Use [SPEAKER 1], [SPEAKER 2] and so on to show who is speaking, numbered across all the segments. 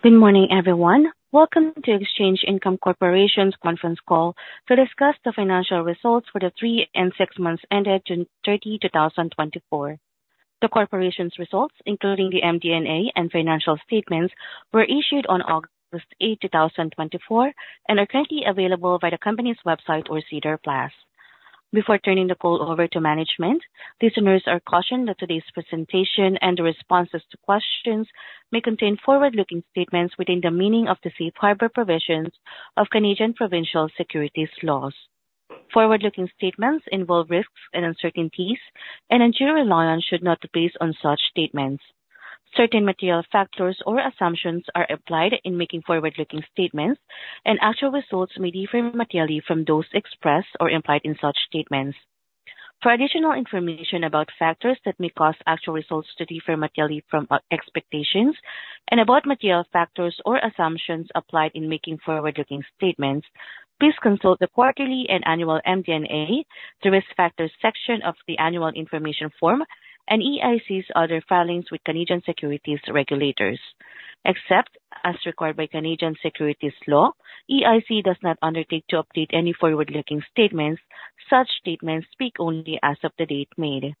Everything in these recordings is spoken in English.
[SPEAKER 1] Good morning, everyone. Welcome to Exchange Income Corporation's conference call to discuss the financial results for the three and six months ended June 30, 2024. The corporation's results, including the MD&A and financial statements, were issued on August 8, 2024, and are currently available by the company's website or SEDAR+. Before turning the call over to management, listeners are cautioned that today's presentation and the responses to questions may contain forward-looking statements within the meaning of the safe harbor provisions of Canadian provincial securities laws. Forward-looking statements involve risks and uncertainties, and ensure reliance should not be based on such statements. Certain material factors or assumptions are applied in making forward-looking statements, and actual results may differ materially from those expressed or implied in such statements. For additional information about factors that may cause actual results to differ materially from our expectations and about material factors or assumptions applied in making forward-looking statements, please consult the quarterly and annual MD&A, the Risk Factors section of the Annual Information Form, and EIC's other filings with Canadian securities regulators. Except as required by Canadian securities law, EIC does not undertake to update any forward-looking statements. Such statements speak only as of the date made.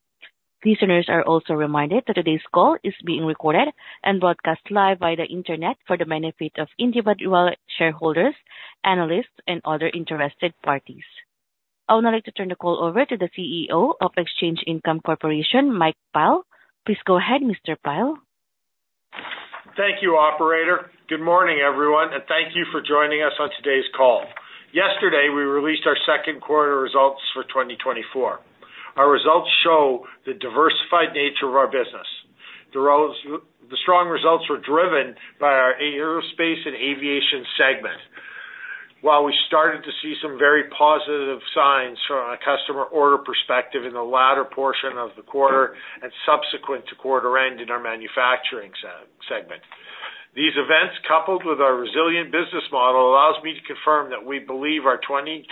[SPEAKER 1] Listeners are also reminded that today's call is being recorded and broadcast live via the Internet for the benefit of individual shareholders, analysts, and other interested parties. I would now like to turn the call over to the CEO of Exchange Income Corporation, Mike Pyle. Please go ahead, Mr. Pyle.
[SPEAKER 2] Thank you, operator. Good morning, everyone, and thank you for joining us on today's call. Yesterday, we released our second quarter results for 2024. Our results show the diversified nature of our business. The strong results were driven by our Aerospace & Aviation segment. While we started to see some very positive signs from a customer order perspective in the latter portion of the quarter and subsequent to quarter end in our manufacturing segment. These events, coupled with our resilient business model, allows me to confirm that we believe our 2024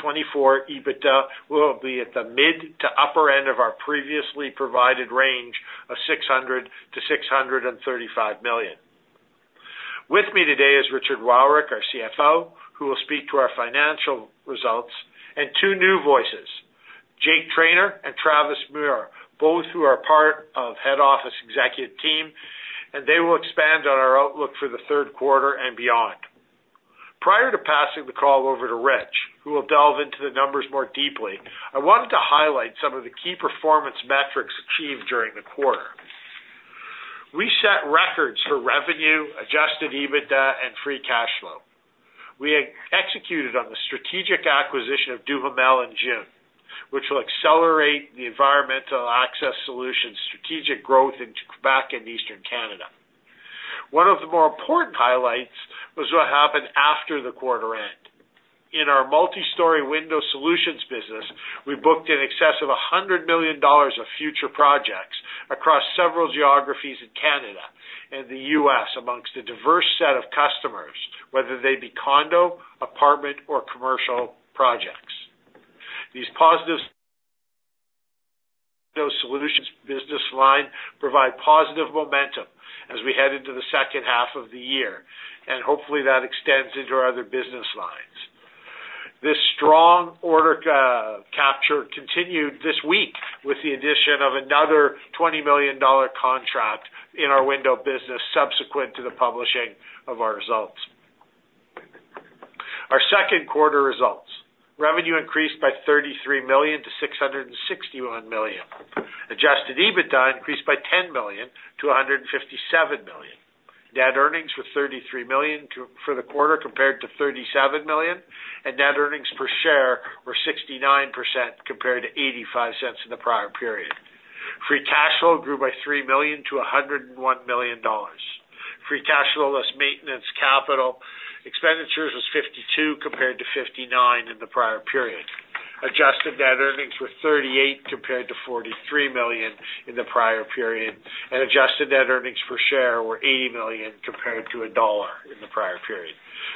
[SPEAKER 2] EBITDA will be at the mid to upper end of our previously provided range of 600 million-635 million. With me today is Richard Wowryk, our CFO, who will speak to our financial results, and two new voices, Jake Trainor and Travis Muhr, both who are part of head office executive team, and they will expand on our outlook for the third quarter and beyond. Prior to passing the call over to Rich, who will delve into the numbers more deeply, I wanted to highlight some of the key performance metrics achieved during the quarter. We set records for revenue, adjusted EBITDA, and free cash flow. We executed on the strategic acquisition of Duhamel in June, which will accelerate the Environmental Access Solutions strategic growth into Quebec and Eastern Canada. One of the more important highlights was what happened after the quarter end. In our Multi-Story Window Solutions business, we booked in excess of 100 million dollars of future projects across several geographies in Canada and the US among a diverse set of customers, whether they be condo, apartment, or commercial projects. These positives... Those solutions business line provide positive momentum as we head into the second half of the year, and hopefully that extends into our other business lines. This strong order capture continued this week with the addition of another 20 million dollar contract in our window business, subsequent to the publishing of our results. Our second quarter results: Revenue increased by 33 million to 661 million. Adjusted EBITDA increased by 10 million to 157 million. Net earnings were 33 million for the quarter, compared to 37 million, and net earnings per share were 0.69, compared to 0.85 in the prior period. Free cash flow grew by 3 million 101 million dollars. Free cash flow less maintenance capital expenditures was 52 million, compared to 59 million in the prior period. Adjusted net earnings were 38 million, compared to 43 million in the prior period, and adjusted net earnings per share were 0.80, compared to CAD 1.00 in the prior period.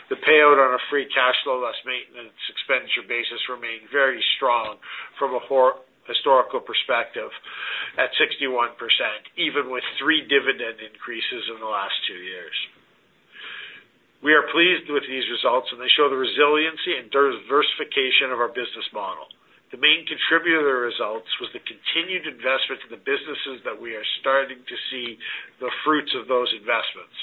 [SPEAKER 2] The payout on a free cash flow less maintenance capital expenditure basis remained very strong from a historical perspective at 61%, even with three dividend increases in the last two years. We are pleased with these results, and they show the resiliency and diversification of our business model. The main contributor results was the continued investment in the businesses that we are starting to see the fruits of those investments.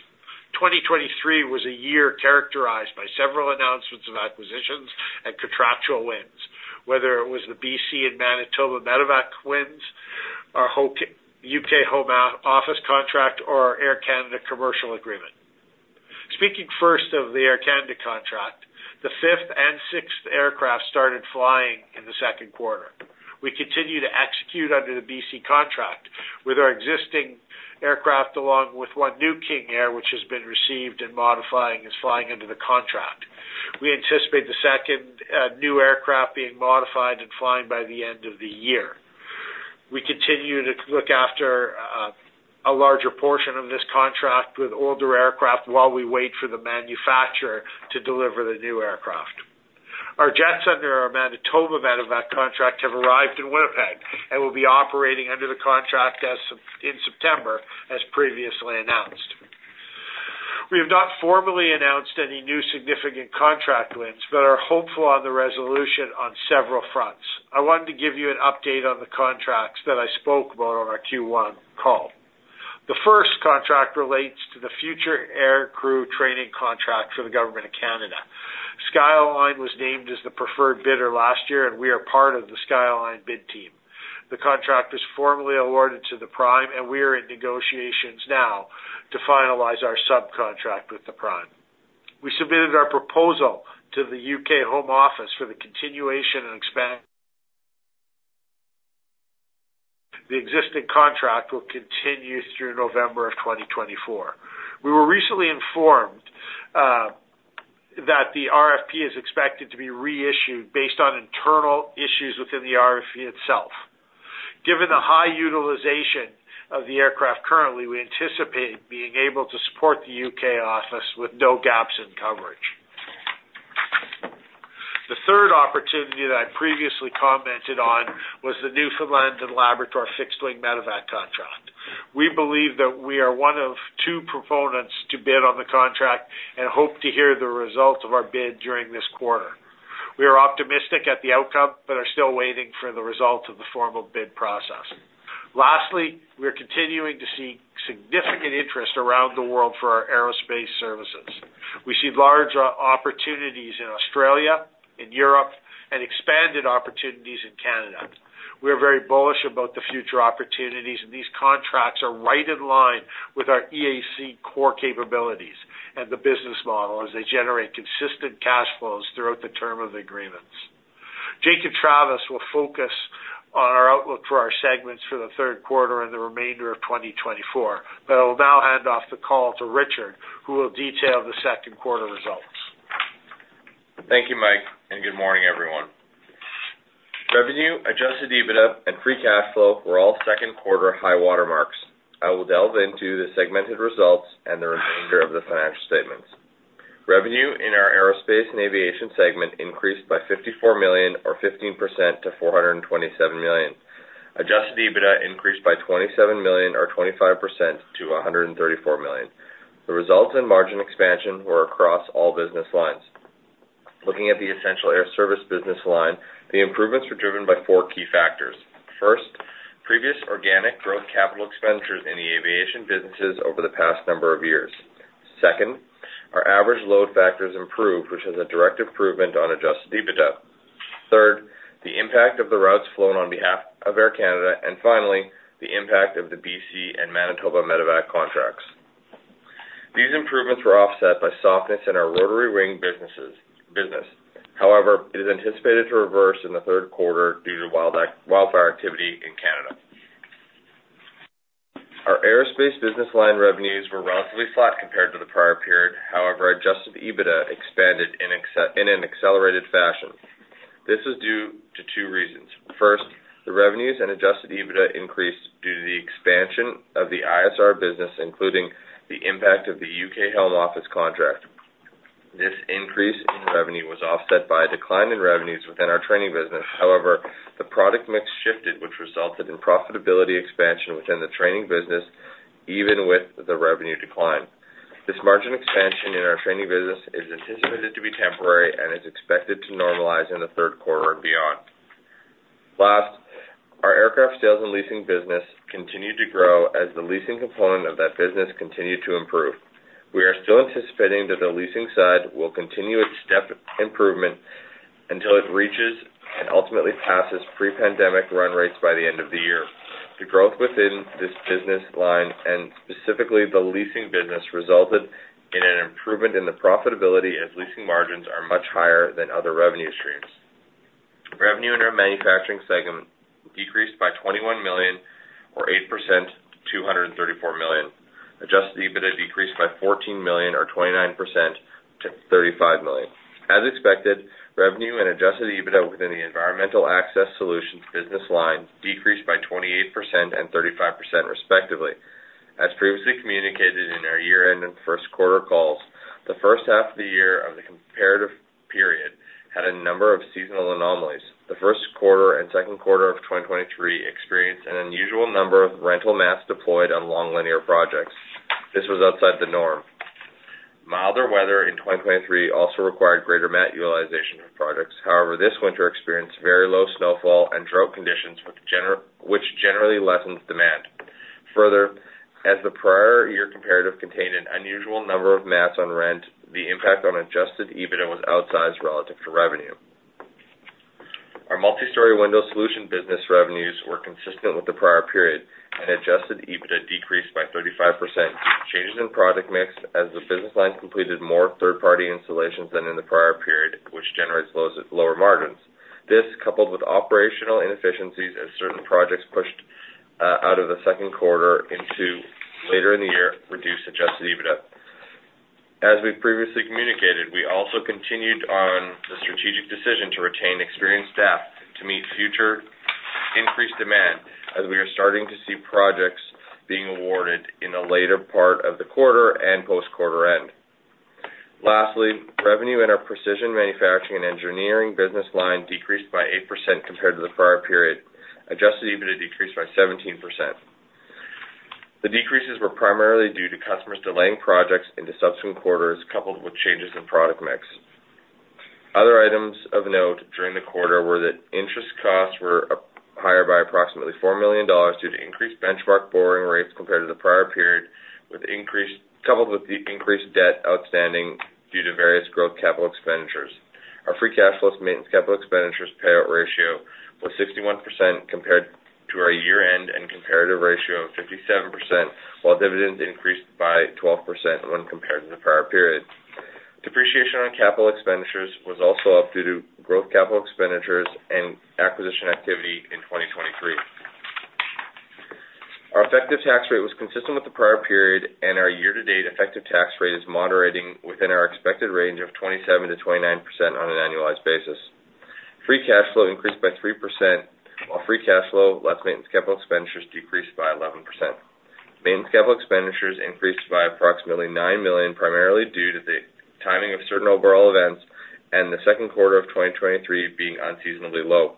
[SPEAKER 2] 2023 was a year characterized by several announcements of acquisitions and contractual wins, whether it was the BC and Manitoba Medevac wins, our UK Home Office contract, or our Air Canada commercial agreement. Speaking first of the Air Canada contract, the fifth and sixth aircraft started flying in the second quarter. We continue to execute under the BC contract with our existing aircraft, along with one new King Air, which has been received and modifying, is flying under the contract. We anticipate the second new aircraft being modified and flying by the end of the year. We continue to look after a larger portion of this contract with older aircraft while we wait for the manufacturer to deliver the new aircraft. Our jets under our Manitoba Medevac contract have arrived in Winnipeg and will be operating under the contract in September, as previously announced. We have not formally announced any new significant contract wins, but are hopeful on the resolution on several fronts. I wanted to give you an update on the contracts that I spoke about on our Q1 call. The first contract relates to the future air crew training contract for the Government of Canada. SkyAlyne was named as the preferred bidder last year, and we are part of the SkyAlyne bid team. The contract is formally awarded to the prime, and we are in negotiations now to finalize our subcontract with the prime. We submitted our proposal to the UK Home Office for the continuation and expansion the existing contract will continue through November of 2024. We were recently informed that the RFP is expected to be reissued based on internal issues within the RFP itself. Given the high utilization of the aircraft, currently, we anticipate being able to support the UK office with no gaps in coverage. The third opportunity that I previously commented on was the Newfoundland and Labrador fixed wing Medevac contract. We believe that we are one of two proponents to bid on the contract and hope to hear the results of our bid during this quarter. We are optimistic at the outcome, but are still waiting for the result of the formal bid process. Lastly, we are continuing to see significant interest around the world for our aerospace services. We see large opportunities in Australia, in Europe, and expanded opportunities in Canada. We are very bullish about the future opportunities, and these contracts are right in line with our EIC core capabilities and the business model, as they generate consistent cash flows throughout the term of the agreements. Jake Trainor will focus on our outlook for our segments for the third quarter and the remainder of 2024, but I will now hand off the call to Richard, who will detail the second quarter results.
[SPEAKER 3] Thank you, Mike, and good morning, everyone. Revenue, adjusted EBITDA, and free cash flow were all second quarter high water marks. I will delve into the segmented results and the remainder of the financial statements. Revenue in our Aerospace & Aviation segment increased by 54 million or 15% to 427 million. Adjusted EBITDA increased by 27 million or 25% to 134 million. The results in margin expansion were across all business lines. Looking Essential Air Service business line, the improvements were driven by four key factors. First, previous organic growth capital expenditures in the aviation businesses over the past number of years. Second, our average load factors improved, which is a direct improvement on adjusted EBITDA. Third, the impact of the routes flown on behalf of Air Canada, and finally, the impact of the BC and Manitoba Medevac contracts. These improvements were offset by softness in our rotary wing businesses. However, it is anticipated to reverse in the third quarter due to wildfire activity in Canada. Our aerospace business line revenues were relatively flat compared to the prior period. However, Adjusted EBITDA expanded in an accelerated fashion. This is due to two reasons. First, the revenues and Adjusted EBITDA increased due to the expansion of the ISR business, including the impact of the UK Home Office contract. This increase in revenue was offset by a decline in revenues within our training business. However, the product mix shifted, which resulted in profitability expansion within the training business, even with the revenue decline. This margin expansion in our training business is anticipated to be temporary and is expected to normalize in the third quarter and beyond. Last, our aircraft sales and leasing business continued to grow as the leasing component of that business continued to improve. We are still anticipating that the leasing side will continue its step improvement until it reaches and ultimately passes pre-pandemic run rates by the end of the year. The growth within this business line, and specifically the leasing business, resulted in an improvement in the profitability, as leasing margins are much higher than other revenue streams. Revenue in our manufacturing segment decreased by 21 million or 8% to 234 million. Adjusted EBITDA decreased by 14 million or 29% to 35 million. As expected, revenue and adjusted EBITDA within the Environmental Access Solutions business line decreased by 28% and 35%, respectively. As previously communicated in our year-end and first quarter calls, the first half of the year of the comparative period had a number of seasonal anomalies. The first quarter and second quarter of 2023 experienced an unusual number of rental mats deployed on long linear projects. This was outside the norm. Milder weather in 2023 also required greater mat utilization for projects. However, this winter experienced very low snowfall and drought conditions with generally which generally lessens demand. Further, as the prior year comparative contained an unusual number of mats on rent, the impact on Adjusted EBITDA was outsized relative to revenue. Our multi-story window solution business revenues were consistent with the prior period, and Adjusted EBITDA decreased by 35%. Changes in product mix as the business line completed more third-party installations than in the prior period, which generates lows at lower margins. This, coupled with operational inefficiencies as certain projects pushed out of the second quarter into later in the year, reduced Adjusted EBITDA. As we've previously communicated, we also continued on the strategic decision to meet future increased demand, as we are starting to see projects being awarded in the later part of the quarter and post-quarter end. Lastly, revenue in our Precision Manufacturing & Engineering business line decreased by 8% compared to the prior period. Adjusted EBITDA decreased by 17%. The decreases were primarily due to customers delaying projects into subsequent quarters, coupled with changes in product mix. Other items of note during the quarter were that interest costs were higher by approximately CAD 4 million due to increased benchmark borrowing rates compared to the prior period, coupled with the increased debt outstanding due to various growth capital expenditures. Our free cash flow maintenance capital expenditures payout ratio was 61% compared to our year-end and comparative ratio of 57%, while dividends increased by 12% when compared to the prior period. Depreciation on capital expenditures was also up due to growth capital expenditures and acquisition activity in 2023. Our effective tax rate was consistent with the prior period, and our year-to-date effective tax rate is moderating within our expected range of 27%-29% on an annualized basis. Free cash flow increased by 3%, while free cash flow, less maintenance capital expenditures, decreased by 11%. Maintenance capital expenditures increased by approximately 9 million, primarily due to the timing of certain overall events and the second quarter of 2023 being unseasonably low.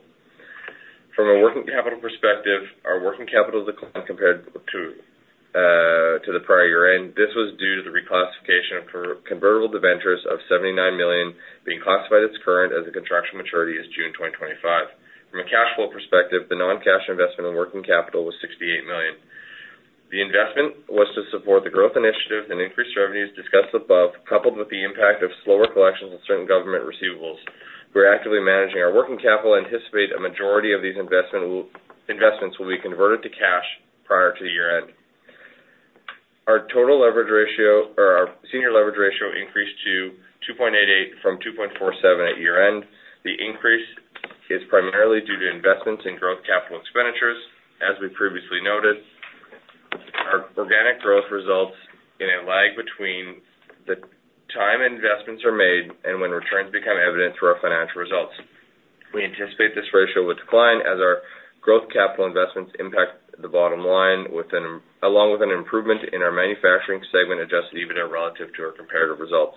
[SPEAKER 3] From a working capital perspective, our working capital declined compared to the prior year-end. This was due to the reclassification of convertible debentures of 79 million being classified as current as the contractual maturity is June 2025. From a cash flow perspective, the non-cash investment in working capital was 68 million. The investment was to support the growth initiatives and increased revenues discussed above, coupled with the impact of slower collections of certain government receivables. We're actively managing our working capital and anticipate a majority of these investments will be converted to cash prior to year-end. Our total leverage ratio, or our senior leverage ratio, increased to 2.88 from 2.47 at year-end. The increase is primarily due to investments in growth capital expenditures, as we previously noted. Our organic growth results in a lag between the time investments are made and when returns become evident through our financial results. We anticipate this ratio will decline as our growth capital investments impact the bottom line within, along with an improvement in our manufacturing segment, adjusted EBITDA relative to our comparative results.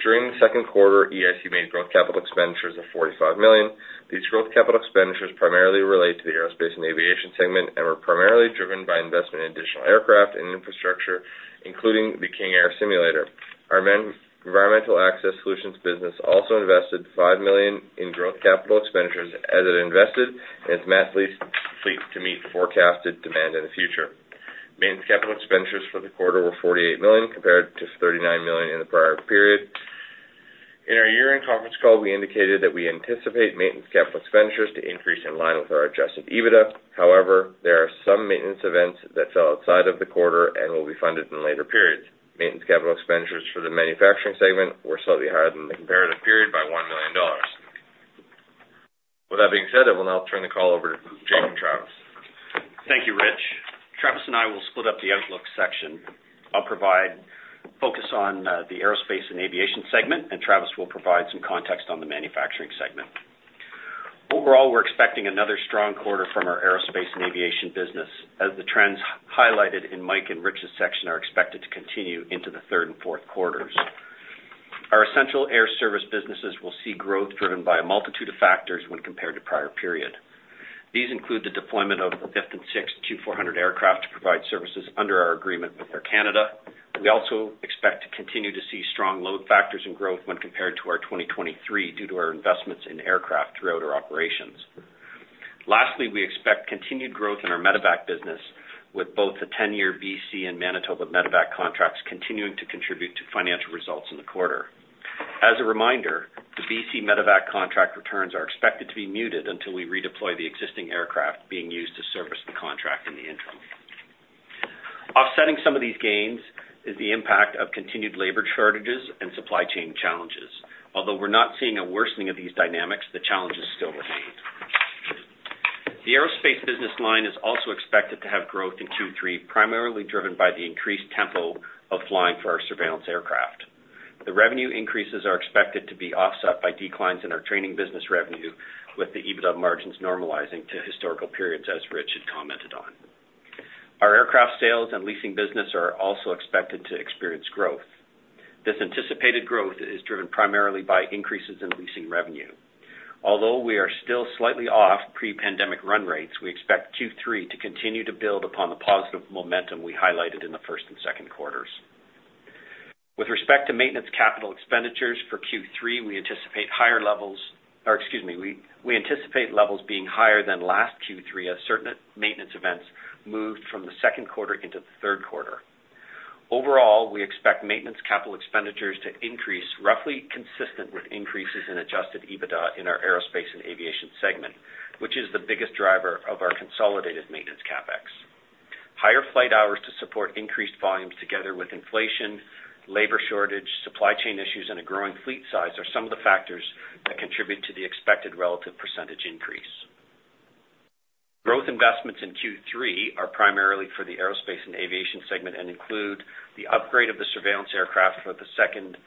[SPEAKER 3] During the second quarter, EIC made growth capital expenditures of 45 million. These growth capital expenditures primarily relate to the Aerospace & Aviation segment and were primarily driven by investment in additional aircraft and infrastructure, including the King Air simulator. Our Environmental Access Solutions business also invested 5 million in growth capital expenditures as it invested in its mat lease fleet to meet the forecasted demand in the future. Maintenance capital expenditures for the quarter were 48 million, compared to 39 million in the prior period. In our year-end conference call, we indicated that we anticipate maintenance capital expenditures to increase in line with our adjusted EBITDA. However, there are some maintenance events that fell outside of the quarter and will be funded in later periods. Maintenance capital expenditures for the manufacturing segment were slightly higher than the comparative period by 1 million dollars. With that being said, I will now turn the call over to Jake and Travis.
[SPEAKER 4] Thank you, Rich. Travis and I will split up the outlook section. I'll provide focus on the Aerospace & Aviation segment, and Travis will provide some context on the manufacturing segment. Overall, we're expecting another strong quarter from our Aerospace & Aviation business, as the trends highlighted in Mike and Rich's section are expected to continue into the third and fourth Essential Air Service businesses will see growth driven by a multitude of factors when compared to prior period. These include the deployment of a fifth and sixth Q400 aircraft to provide services under our agreement with Air Canada. We also expect to continue to see strong load factors and growth when compared to our 2023 due to our investments in aircraft throughout our operations. Lastly, we expect continued growth in our Medevac business, with both the 10-year BC and Manitoba Medevac contracts continuing to contribute to financial results in the quarter. As a reminder, the BC Medevac contract returns are expected to be muted until we redeploy the existing aircraft being used to service the contract in the interim. Offsetting some of these gains is the impact of continued labor shortages and supply chain challenges. Although we're not seeing a worsening of these dynamics, the challenges still remain. The aerospace business line is also expected to have growth in Q3, primarily driven by the increased tempo of flying for our surveillance aircraft. The revenue increases are expected to be offset by declines in our training business revenue, with the EBITDA margins normalizing to historical periods, as Rich had commented on. Our aircraft sales and leasing business are also expected to experience growth. This anticipated growth is driven primarily by increases in leasing revenue. Although we are still slightly off pre-pandemic run rates, we expect Q3 to continue to build upon the positive momentum we highlighted in the first and second quarters. With respect to maintenance capital expenditures for Q3, we anticipate higher levels. Or excuse me, we anticipate levels being higher than last Q3 as certain maintenance events moved from the second quarter into the third quarter. Overall, we expect maintenance capital expenditures to increase, roughly consistent with increases in Adjusted EBITDA in our Aerospace & Aviation segment, which is the biggest driver of our consolidated maintenance CapEx. Higher flight hours to support increased volumes together with inflation, labor shortage, supply chain issues, and a growing fleet size are some of the factors that contribute to the expected relative percentage increase.... Growth investments in Q3 are primarily for the Aerospace & Aviation segment and include the upgrade of the surveillance aircraft for the second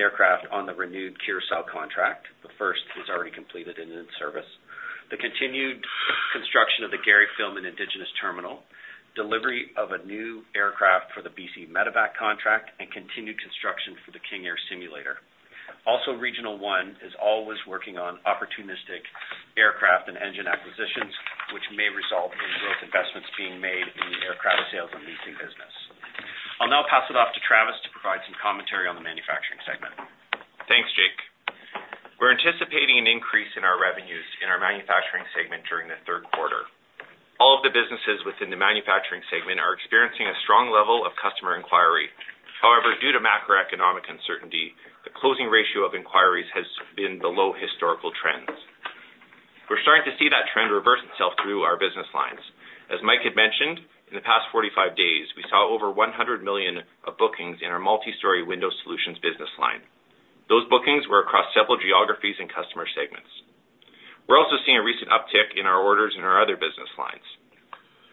[SPEAKER 4] aircraft on the renewed Curaçao contract. The first is already completed and in service. The continued construction of the Garden Hill and Indigenous Terminal, delivery of a new aircraft for the BC Medevac contract, and continued construction for the King Air simulator. Also, Regional One is always working on opportunistic aircraft and engine acquisitions, which may result in growth investments being made in the aircraft sales and leasing business. I'll now pass it off to Travis to provide some commentary on the manufacturing segment.
[SPEAKER 5] Thanks, Jake. We're anticipating an increase in our revenues in our manufacturing segment during the third quarter. All of the businesses within the manufacturing segment are experiencing a strong level of customer inquiry. However, due to macroeconomic uncertainty, the closing ratio of inquiries has been below historical trends. We're starting to see that trend reverse itself through our business lines. As Mike had mentioned, in the past 45 days, we saw over 100 million of bookings in our Multi-Story Window Solutions business line. Those bookings were across several geographies and customer segments. We're also seeing a recent uptick in our orders in our other business lines.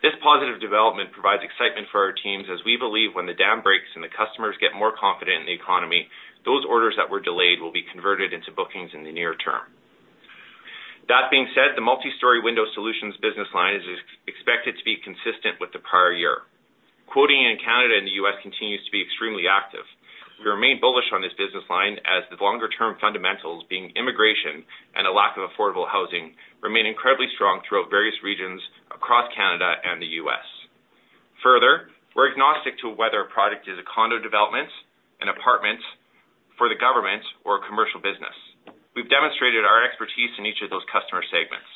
[SPEAKER 5] This positive development provides excitement for our teams, as we believe when the dam breaks and the customers get more confident in the economy, those orders that were delayed will be converted into bookings in the near term. That being said, the Multi-Story Window Solutions business line is expected to be consistent with the prior year. Quoting in Canada and the U.S. continues to be extremely active. We remain bullish on this business line as the longer term fundamentals, being immigration and a lack of affordable housing, remain incredibly strong throughout various regions across Canada and the U.S. Further, we're agnostic to whether a product is a condo development, an apartment for the government or a commercial business. We've demonstrated our expertise in each of those customer segments.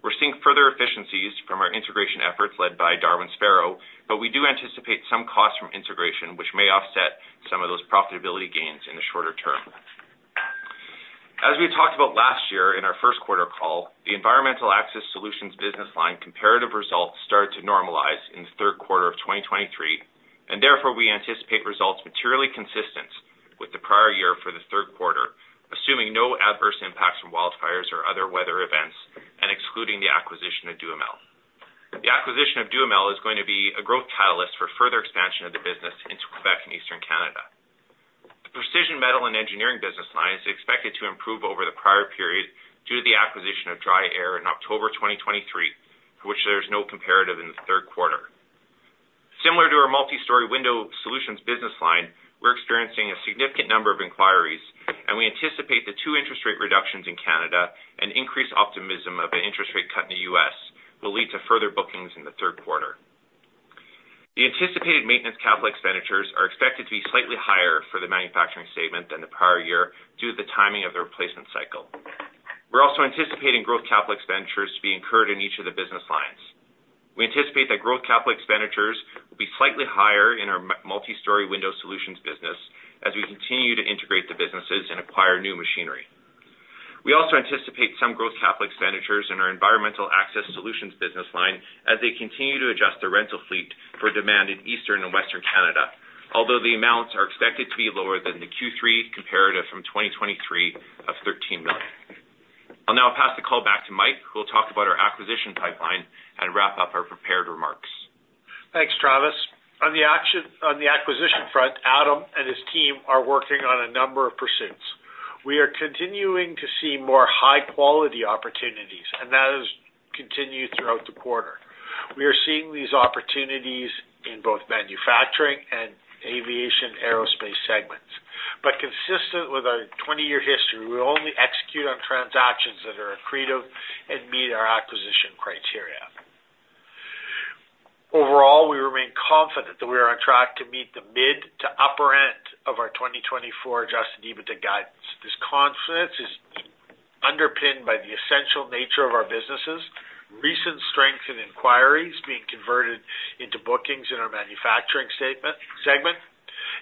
[SPEAKER 5] We're seeing further efficiencies from our integration efforts led by Darwin Sparrow, but we do anticipate some costs from integration, which may offset some of those profitability gains in the shorter term. As we talked about last year in our first quarter call, the Environmental Access Solutions business line comparative results started to normalize in the third quarter of 2023, and therefore, we anticipate results materially consistent with the prior year for the third quarter, assuming no adverse impacts from wildfires or other weather events, and excluding the acquisition of Duhamel. The acquisition of Duhamel is going to be a growth catalyst for further expansion of the business into Quebec and Eastern Canada. The Precision Manufacturing & Engineering business line is expected to improve over the prior period due to the acquisition of DryAir in October 2023, for which there is no comparative in the third quarter. Similar to our multi-story window solutions business line, we're experiencing a significant number of inquiries, and we anticipate the two interest rate reductions in Canada and increased optimism of an interest rate cut in the US will lead to further bookings in the third quarter. The anticipated maintenance capital expenditures are expected to be slightly higher for the manufacturing segment than the prior year, due to the timing of the replacement cycle. We're also anticipating growth capital expenditures to be incurred in each of the business lines. We anticipate that growth capital expenditures will be slightly higher in our multi-story window solutions business, as we continue to integrate the businesses and acquire new machinery. We also anticipate some growth capital expenditures in our Environmental Access Solutions business line, as they continue to adjust the rental fleet for demand in Eastern and Western Canada, although the amounts are expected to be lower than the Q3 comparative from 2023 of 13 million. I'll now pass the call back to Mike, who will talk about our acquisition pipeline and wrap up our prepared remarks.
[SPEAKER 2] Thanks, Travis. On the acquisition front, Adam and his team are working on a number of pursuits. We are continuing to see more high quality opportunities, and that has continued throughout the quarter. We are seeing these opportunities in both manufacturing and aviation aerospace segments, but consistent with our 20-year history, we will only execute on transactions that are accretive and meet our acquisition criteria. Overall, we remain confident that we are on track to meet the mid to upper end of our 2024 adjusted EBITDA guidance. This confidence is underpinned by the essential nature of our businesses, recent strength in inquiries being converted into bookings in our manufacturing segment,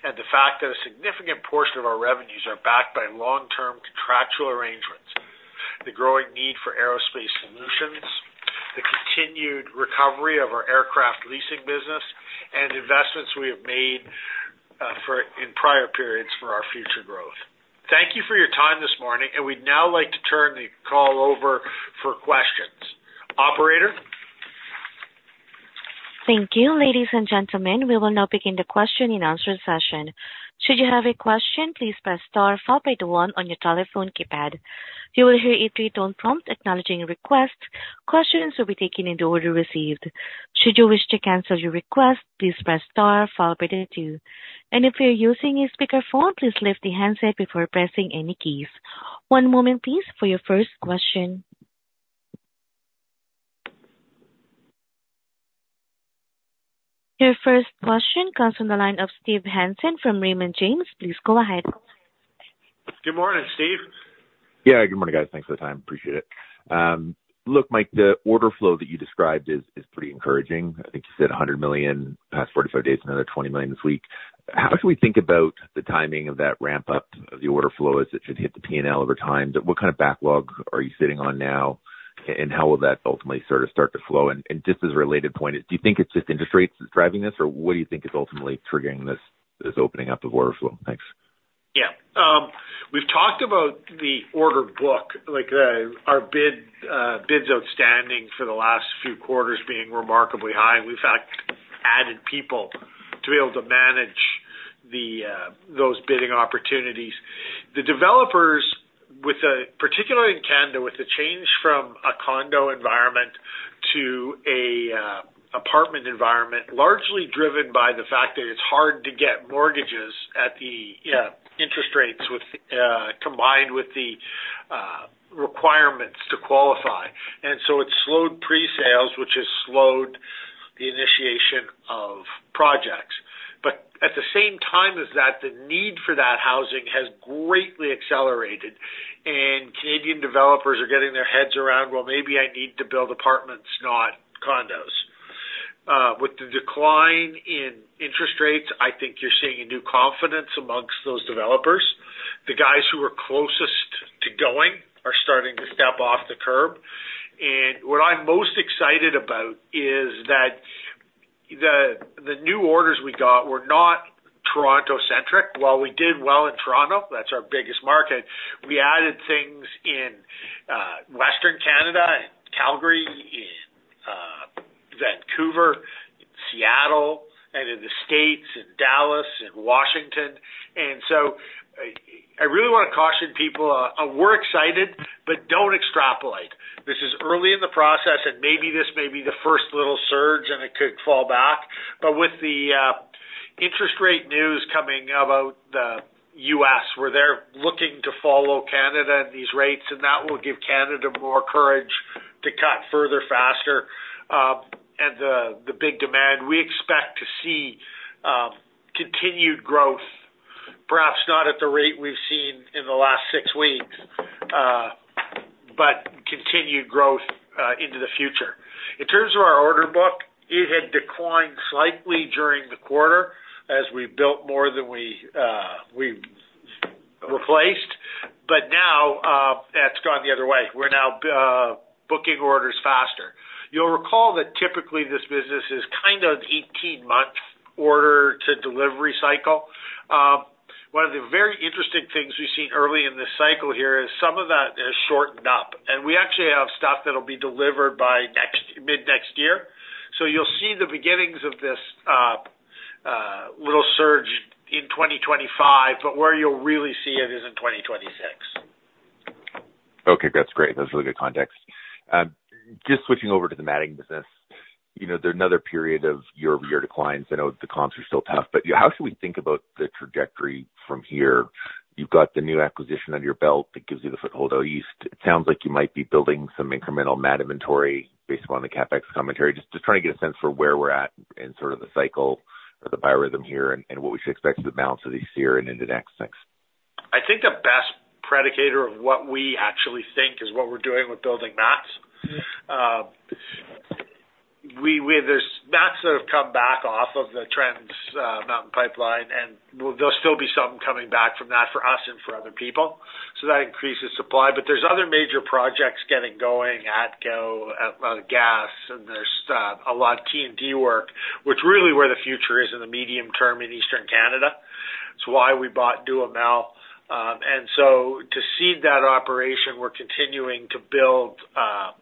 [SPEAKER 2] and the fact that a significant portion of our revenues are backed by long-term contractual arrangements, the growing need for aerospace solutions, the continued recovery of our aircraft leasing business, and investments we have made in prior periods for our future growth. Thank you for your time this morning, and we'd now like to turn the call over for questions. Operator?
[SPEAKER 1] Thank you, ladies and gentlemen. We will now begin the question and answer session. Should you have a question, please press star followed by the one on your telephone keypad. You will hear a three-tone prompt acknowledging your request. Questions will be taken in the order received. Should you wish to cancel your request, please press star followed by the two. If you're using a speakerphone, please lift the handset before pressing any keys. One moment, please, for your first question. Your first question comes from the line of Steve Hansen from Raymond James. Please go ahead.
[SPEAKER 2] Good morning, Steve.
[SPEAKER 6] Yeah, good morning, guys. Thanks for the time, appreciate it. Look, Mike, the order flow that you described is pretty encouraging. I think you said 100 million past 45 days, another 20 million this week. How should we think about the timing of that ramp-up of the order flow as it should hit the PNL over time? What kind of backlog are you sitting on now, and how will that ultimately sort of start to flow? And just as a related point, do you think it's just interest rates driving this, or what do you think is ultimately triggering this opening up of order flow? Thanks....
[SPEAKER 2] Yeah. We've talked about the order book, like, our bids outstanding for the last few quarters being remarkably high. We've, in fact, added people to be able to manage those bidding opportunities. The developers particularly in Canada, with the change from a condo environment to a apartment environment, largely driven by the fact that it's hard to get mortgages at the interest rates combined with the requirements to qualify. And so it slowed pre-sales, which has slowed the initiation of projects. But at the same time as that, the need for that housing has greatly accelerated, and Canadian developers are getting their heads around, "Well, maybe I need to build apartments, not condos." With the decline in interest rates, I think you're seeing a new confidence amongst those developers. The guys who are closest to going are starting to step off the curb. And what I'm most excited about is that the new orders we got were not Toronto-centric. While we did well in Toronto, that's our biggest market, we added things in Western Canada, in Calgary, in Vancouver, in Seattle, and in the States, in Dallas and Washington. And so I really want to caution people. We're excited, but don't extrapolate. This is early in the process, and maybe this may be the first little surge, and it could fall back. But with the interest rate news coming about the U.S., where they're looking to follow Canada and these rates, and that will give Canada more courage to cut further, faster, and the big demand, we expect to see continued growth, perhaps not at the rate we've seen in the last 6 weeks, but continued growth into the future. In terms of our order book, it had declined slightly during the quarter as we built more than we replaced, but now that's gone the other way. We're now booking orders faster. You'll recall that typically this business is kind of 18-month order to delivery cycle. One of the very interesting things we've seen early in this cycle here is some of that has shortened up, and we actually have stuff that'll be delivered by mid-next year. You'll see the beginnings of this little surge in 2025, but where you'll really see it is in 2026.
[SPEAKER 6] Okay, that's great. That's really good context. Just switching over to the matting business. You know, there's another period of year-over-year declines. I know the comps are still tough, but how should we think about the trajectory from here? You've got the new acquisition under your belt that gives you the foothold out east. It sounds like you might be building some incremental mat inventory based on the CapEx commentary. Just, just trying to get a sense for where we're at in sort of the cycle or the biorhythm here, and, and what we should expect for the balance of this year and into next. Thanks.
[SPEAKER 2] I think the best predictor of what we actually think is what we're doing with building mats. We... There's mats that have come back off of the Trans Mountain Pipeline, and there'll still be some coming back from that for us and for other people, so that increases supply. But there's other major projects getting going, ATCO Gas, and there's a lot of T&D work, which is really where the future is in the medium term in Eastern Canada. It's why we bought Duhamel. And so to seed that operation, we're continuing to build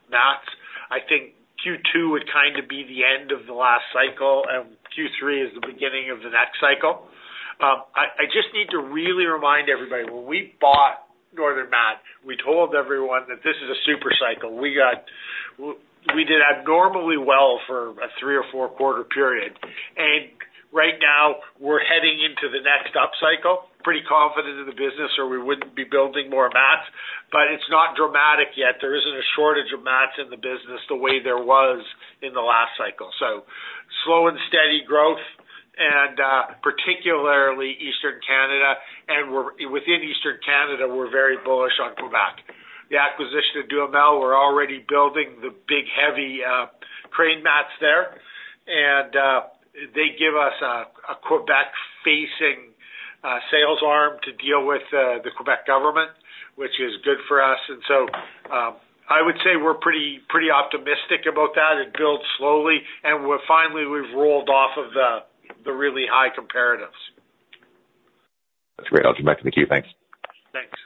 [SPEAKER 2] mats. I think Q2 would kind of be the end of the last cycle, and Q3 is the beginning of the next cycle. I just need to really remind everybody, when we bought Northern Mat, we told everyone that this is a super cycle. We did abnormally well for a three or four quarter period, and right now we're heading into the next upcycle. Pretty confident in the business or we wouldn't be building more mats, but it's not dramatic yet. There isn't a shortage of mats in the business the way there was in the last cycle. So slow and steady growth and particularly Eastern Canada, and we're within Eastern Canada, we're very bullish on Quebec. The acquisition of Duhamel, we're already building the big, heavy crane mats there, and they give us a Quebec-facing sales arm to deal with the Quebec government, which is good for us. And so, I would say we're pretty, pretty optimistic about that and build slowly, and we're finally, we've rolled off of the really high comparatives.
[SPEAKER 6] That's great. I'll get back to the queue. Thanks.
[SPEAKER 2] Thanks.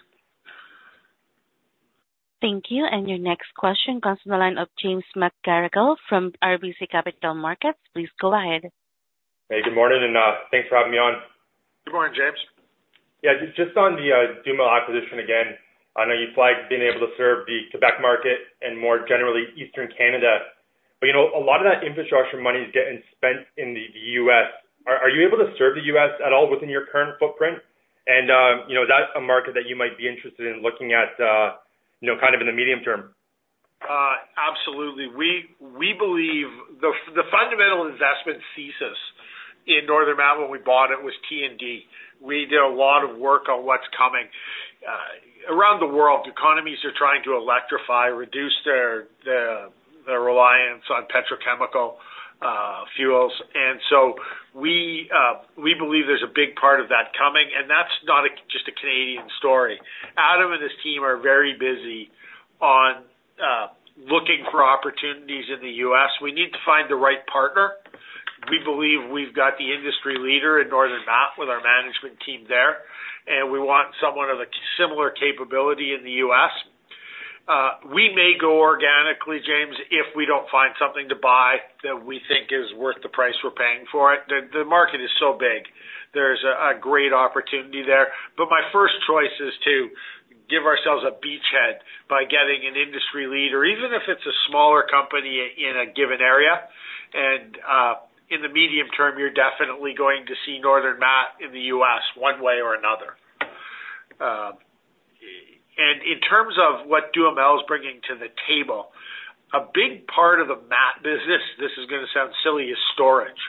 [SPEAKER 1] Thank you, and your next question comes from the line of James McGarragle from RBC Capital Markets. Please go ahead.
[SPEAKER 7] Hey, good morning, and, thanks for having me on.
[SPEAKER 2] Good morning, James.
[SPEAKER 7] Yeah, just on the Duhamel acquisition again. I know you flagged being able to serve the Quebec market and more generally Eastern Canada, but, you know, a lot of that infrastructure money is getting spent in the U.S. Are you able to serve the U.S. at all within your current footprint? And, you know, that's a market that you might be interested in looking at, kind of in the medium term.
[SPEAKER 2] Absolutely. We believe... The fundamental investment thesis in Northern Mat when we bought it was T&D. We did a lot of work on what's coming. Around the world, economies are trying to electrify, reduce their reliance on petrochemical fuels. And so we believe there's a big part of that coming, and that's not just a Canadian story. Adam and his team are very busy looking for opportunities in the US. We need to find the right partner. We believe we've got the industry leader in Northern Mat with our management team there, and we want someone of a similar capability in the US. We may go organically, James, if we don't find something to buy that we think is worth the price we're paying for it. The market is so big, there's a great opportunity there. But my first choice is to give ourselves a beachhead by getting an industry leader, even if it's a smaller company in a given area. And in the medium term, you're definitely going to see Northern Mat in the US one way or another. And in terms of what Duhamel is bringing to the table, a big part of the mat business, this is gonna sound silly, is storage.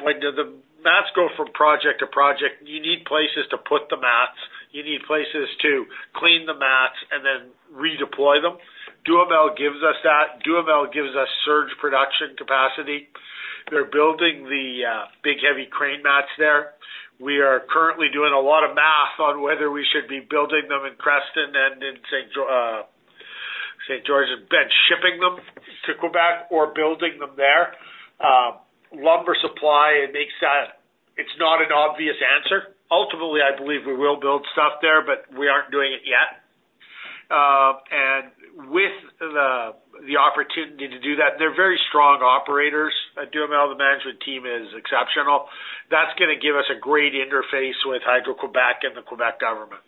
[SPEAKER 2] When the mats go from project to project, you need places to put the mats, you need places to clean the mats and then redeploy them. Duhamel gives us that. Duhamel gives us surge production capacity. They're building the big, heavy crane mats there. We are currently doing a lot of math on whether we should be building them in Creston and in St. George. George and then shipping them to Quebec or building them there. Lumber supply, it makes that... It's not an obvious answer. Ultimately, I believe we will build stuff there, but we aren't doing it yet. And with the opportunity to do that, they're very strong operators. At Duhamel, the management team is exceptional. That's gonna give us a great interface with Hydro-Québec and the Quebec government.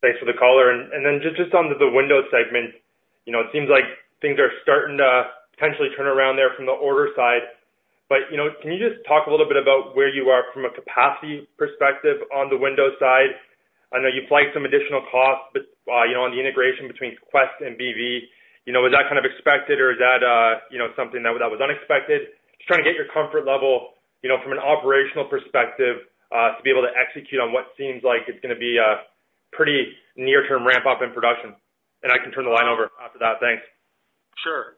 [SPEAKER 7] Thanks for the color. And then just on the window segment, you know, it seems like things are starting to potentially turn around there from the order side. But, you know, can you just talk a little bit about where you are from a capacity perspective on the window side? I know you flagged some additional costs, but, you know, on the integration between Quest and BV, you know, was that kind of expected or is that, you know, something that, that was unexpected? Just trying to get your comfort level, you know, from an operational perspective, to be able to execute on what seems like it's gonna be a pretty near-term ramp-up in production. And I can turn the line over after that. Thanks.
[SPEAKER 2] Sure.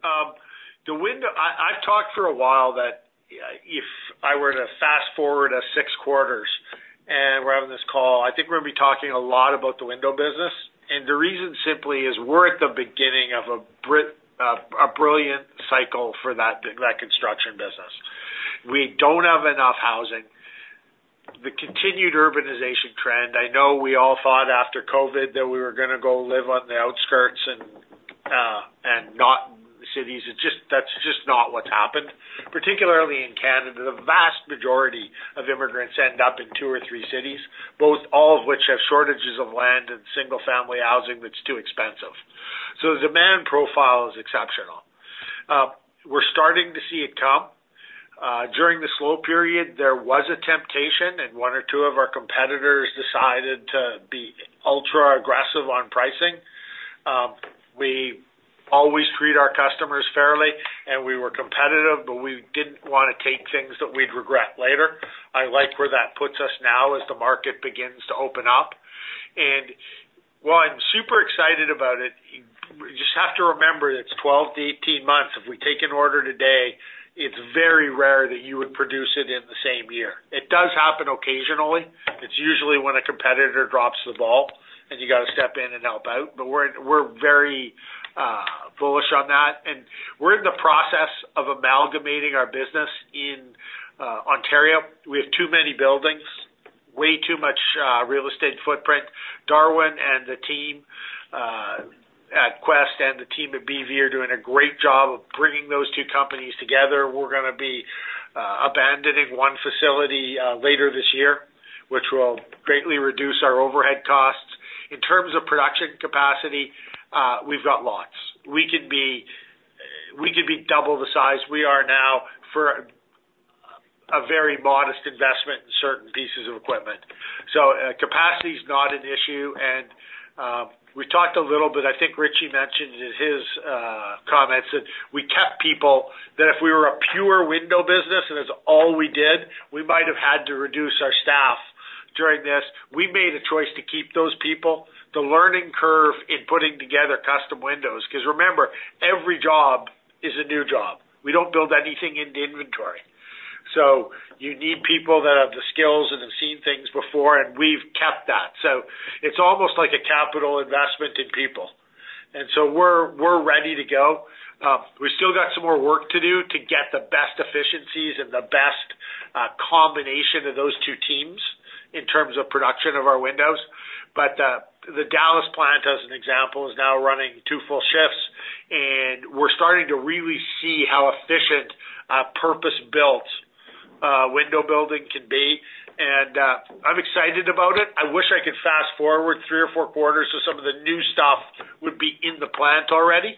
[SPEAKER 2] The window—I’ve talked for a while that if I were to fast forward us 6 quarters and we’re having this call, I think we’re gonna be talking a lot about the window business. And the reason simply is we’re at the beginning of a brilliant cycle for that construction business. We don’t have enough housing. The continued urbanization trend, I know we all thought after COVID that we were gonna go live on the outskirts and not in the cities. It’s just- That’s just not what’s happened. Particularly in Canada, the vast majority of immigrants end up in 2 or 3 cities, both... all of which have shortages of land and single-family housing that’s too expensive. So the demand profile is exceptional. We’re starting to see it come. During the slow period, there was a temptation, and one or two of our competitors decided to be ultra aggressive on pricing. We always treat our customers fairly, and we were competitive, but we didn't want to take things that we'd regret later. I like where that puts us now as the market begins to open up. And while I'm super excited about it, you just have to remember it's 12-18 months. If we take an order today, it's very rare that you would produce it in the same year. It does happen occasionally. It's usually when a competitor drops the ball and you gotta step in and help out. But we're very bullish on that, and we're in the process of amalgamating our business in Ontario. We have too many buildings, way too much real estate footprint. Darwin and the team at Quest and the team at BV are doing a great job of bringing those two companies together. We're gonna be abandoning one facility later this year, which will greatly reduce our overhead costs. In terms of production capacity, we've got lots. We could be double the size we are now for a very modest investment in certain pieces of equipment. So, capacity is not an issue, and we talked a little bit. I think Richie mentioned in his comments that we kept people, that if we were a pure window business and that's all we did, we might have had to reduce our staff during this. We made a choice to keep those people. The learning curve in putting together custom windows. Because remember, every job is a new job. We don't build anything in the inventory. So you need people that have the skills and have seen things before, and we've kept that. So it's almost like a capital investment in people. And so we're ready to go. We still got some more work to do to get the best efficiencies and the best combination of those two teams in terms of production of our windows. But the Dallas plant, as an example, is now running two full shifts, and we're starting to really see how efficient a purpose-built window building can be. And I'm excited about it. I wish I could fast forward three or four quarters, so some of the new stuff would be in the plant already.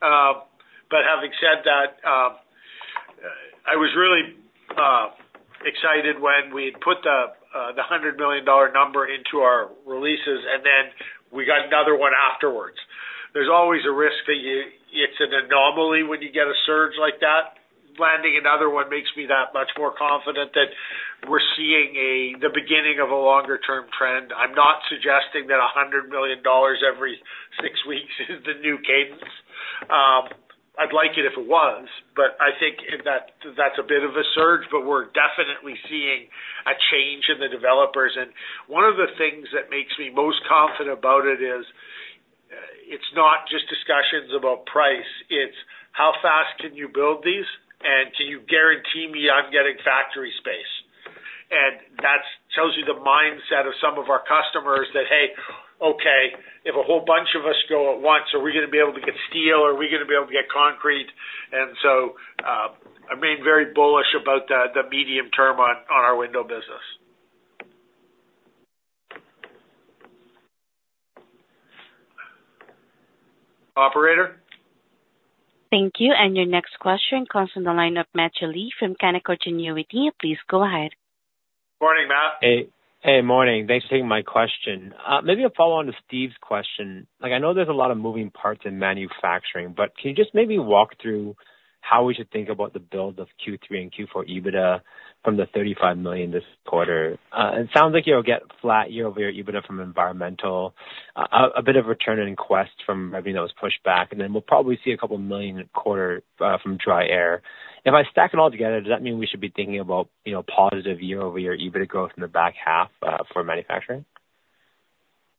[SPEAKER 2] But having said that, I was really excited when we put the 100 million dollar number into our releases, and then we got another one afterwards. There's always a risk that it's an anomaly when you get a surge like that. Landing another one makes me that much more confident that we're seeing the beginning of a longer term trend. I'm not suggesting that 100 million dollars every six weeks is the new cadence. I'd like it if it was, but I think that that's a bit of a surge, but we're definitely seeing a change in the developers. And one of the things that makes me most confident about it is, it's not just discussions about price, it's how fast can you build these, and can you guarantee me I'm getting factory space? And that tells you the mindset of some of our customers that, "Hey, okay, if a whole bunch of us go at once, are we gonna be able to get steel? Are we gonna be able to get concrete?" And so, I remain very bullish about the medium term on our window business. Operator?
[SPEAKER 1] Thank you. And your next question comes from the line of Matthew Lee from Canaccord Genuity. Please go ahead.
[SPEAKER 2] Morning, Matt.
[SPEAKER 8] Hey. Hey, morning. Thanks for taking my question. Maybe a follow-on to Steve's question. Like, I know there's a lot of moving parts in manufacturing, but can you just maybe walk through how we should think about the build of Q3 and Q4 EBITDA from the 35 million this quarter? It sounds like it'll get flat year-over-year EBITDA from environmental. A bit of return in Quest from everything that was pushed back, and then we'll probably see 2 million a quarter from DryAir. If I stack it all together, does that mean we should be thinking about, you know, positive year-over-year EBITDA growth in the back half for manufacturing?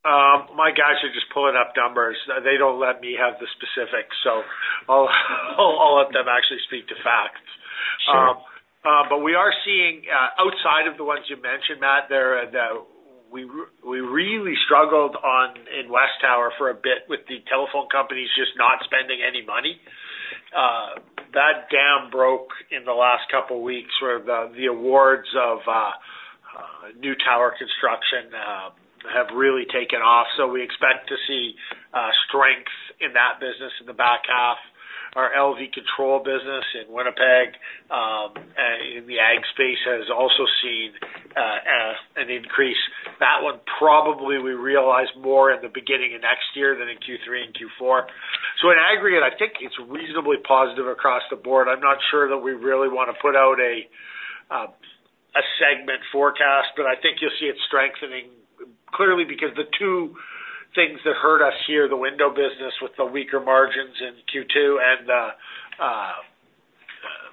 [SPEAKER 2] My guys are just pulling up numbers. They don't let me have the specifics, so I'll let them actually speak to facts.
[SPEAKER 8] Sure.
[SPEAKER 2] But we are seeing, outside of the ones you mentioned, Matt, there are the... We really struggled on in WesTower for a bit with the telephone companies just not spending any money. That dam broke in the last couple weeks, where the awards of new tower construction have really taken off. So we expect to see strength in that business in the back half. Our LV Control business in Winnipeg, and in the ag space has also seen an increase. That one probably we realize more in the beginning of next year than in Q3 and Q4. So in aggregate, I think it's reasonably positive across the board. I'm not sure that we really wanna put out a segment forecast, but I think you'll see it strengthening clearly, because the two things that hurt us here, the window business with the weaker margins in Q2 and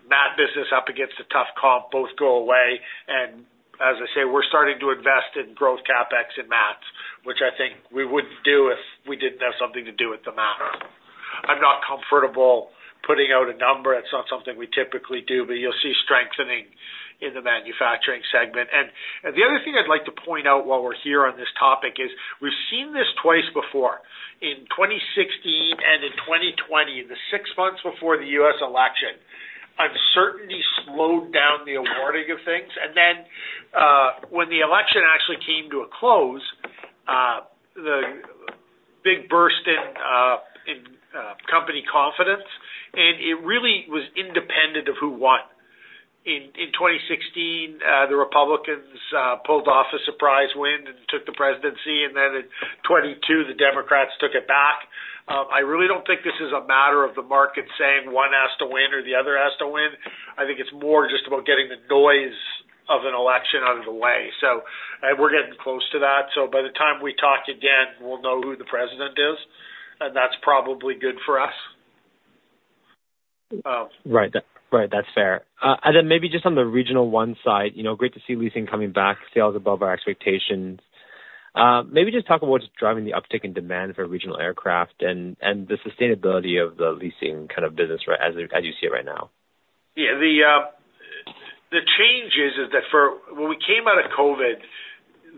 [SPEAKER 2] mat business up against a tough comp, both go away. And as I say, we're starting to invest in growth CapEx in mats, which I think we wouldn't do if we didn't have something to do with the mats. I'm not comfortable putting out a number. It's not something we typically do, but you'll see strengthening in the manufacturing segment. And the other thing I'd like to point out while we're here on this topic is, we've seen this twice before. In 2016 and in 2020, the six months before the U.S. election, uncertainty slowed down the awarding of things, and then, when the election actually came to a close, the big burst in company confidence, and it really was independent of who won. In 2016, the Republicans pulled off a surprise win and took the presidency, and then in 2022, the Democrats took it back. I really don't think this is a matter of the market saying one has to win or the other has to win. I think it's more just about getting the noise of an election out of the way. So, and we're getting close to that, so by the time we talk again, we'll know who the president is, and that's probably good for us.
[SPEAKER 8] Right. Right, that's fair. And then maybe just on the Regional One side, you know, great to see leasing coming back, sales above our expectations. Maybe just talk about what's driving the uptick in demand for regional aircraft and the sustainability of the leasing kind of business right now. As you see it right now.
[SPEAKER 2] Yeah. The change is that for when we came out of COVID,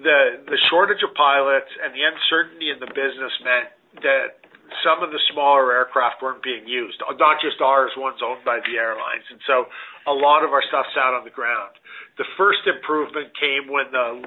[SPEAKER 2] the shortage of pilots and the uncertainty in the business meant that some of the smaller aircraft weren't being used, not just ours, ones owned by the airlines, and so a lot of our stuff sat on the ground. The first improvement came when the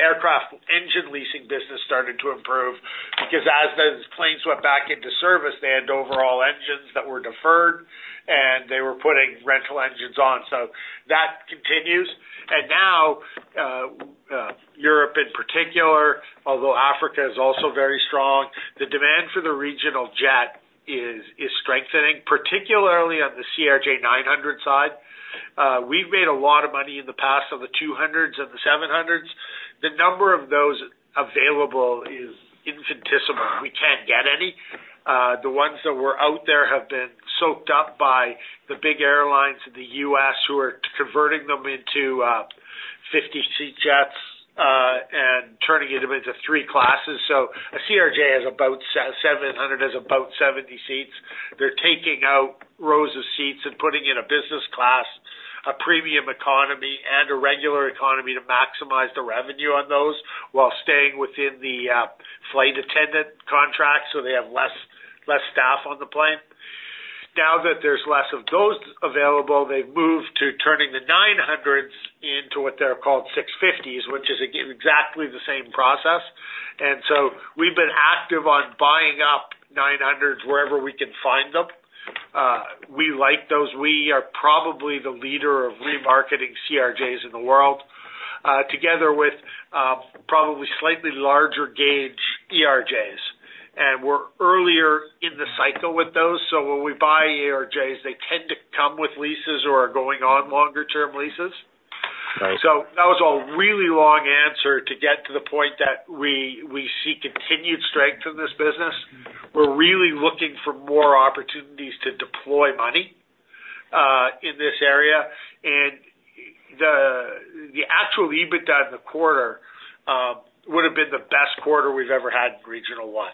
[SPEAKER 2] aircraft engine leasing business started to improve, because as the planes went back into service, they had overall engines that were deferred, and they were putting rental engines on. So that continues. And now, Europe in particular, although Africa is also very strong, the demand for the regional jet is strengthening, particularly on the CRJ 900 side. We've made a lot of money in the past on the 200s and the 700s. The number of those available is infinitesimal. We can't get any. The ones that were out there have been soaked up by the big airlines in the US, who are converting them into 50-seat jets and turning them into three classes. So a CRJ 700 has about 70 seats. They're taking out rows of seats and putting in a business class, a premium economy, and a regular economy to maximize the revenue on those, while staying within the flight attendant contract, so they have less staff on the plane. Now that there's less of those available, they've moved to turning the 900s into what they're called 650s, which is exactly the same process. And so we've been active on buying up 900s wherever we can find them. We like those. We are probably the leader of remarketing CRJs in the world, together with, probably slightly larger gauge ERJs. And we're earlier in the cycle with those, so when we buy ERJs, they tend to come with leases or are going on longer term leases. So that was a really long answer to get to the point that we, we see continued strength in this business. We're really looking for more opportunities to deploy money, in this area, and the, the actual EBITDA in the quarter, would have been the best quarter we've ever had in Regional One,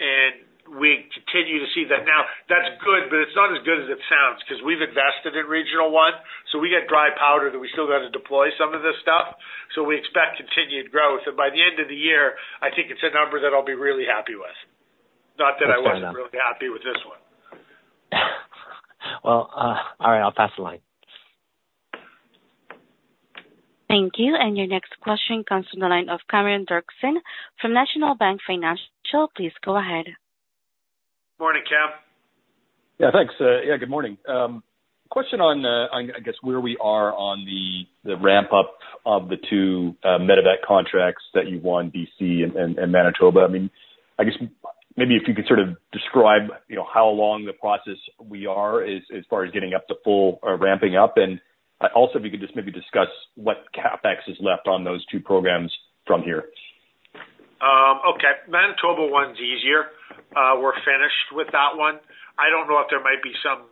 [SPEAKER 2] and we continue to see that. Now, that's good, but it's not as good as it sounds, because we've invested in Regional One, so we got dry powder that we still got to deploy some of this stuff. So we expect continued growth, and by the end of the year, I think it's a number that I'll be really happy with. Not that I wasn't really happy with this one.
[SPEAKER 8] Well, all right, I'll pass the line.
[SPEAKER 1] Thank you. And your next question comes from the line of Cameron Doerksen from National Bank Financial. Please go ahead.
[SPEAKER 2] Morning, Cam.
[SPEAKER 9] Yeah, thanks. Yeah, good morning. Question on, I guess, where we are on the ramp-up of the two Medevac contracts that you won, BC and Manitoba. I mean, I guess maybe if you could sort of describe, you know, how long the process we are as far as getting up to full or ramping up, and also, if you could just maybe discuss what CapEx is left on those two programs from here.
[SPEAKER 2] Okay. Manitoba one's easier. We're finished with that one. I don't know if there might be some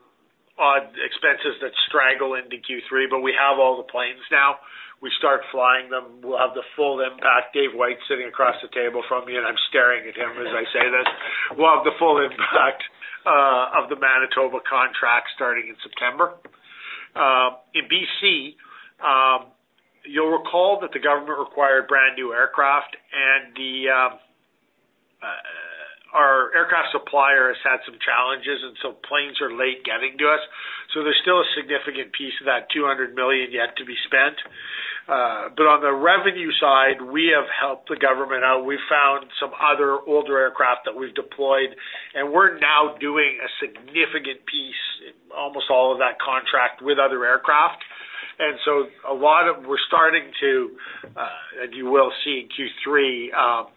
[SPEAKER 2] odd expenses that straggle into Q3, but we have all the planes now. We start flying them. We'll have the full impact. Dave White's sitting across the table from me, and I'm staring at him as I say this. We'll have the full impact of the Manitoba contract starting in September. In BC, you'll recall that the government required brand-new aircraft, and our aircraft supplier has had some challenges, and so planes are late getting to us. So there's still a significant piece of that 200 million yet to be spent. But on the revenue side, we have helped the government out. We've found some other older aircraft that we've deployed, and we're now doing a significant piece, in almost all of that contract, with other aircraft. And so we're starting to, and you will see in Q3,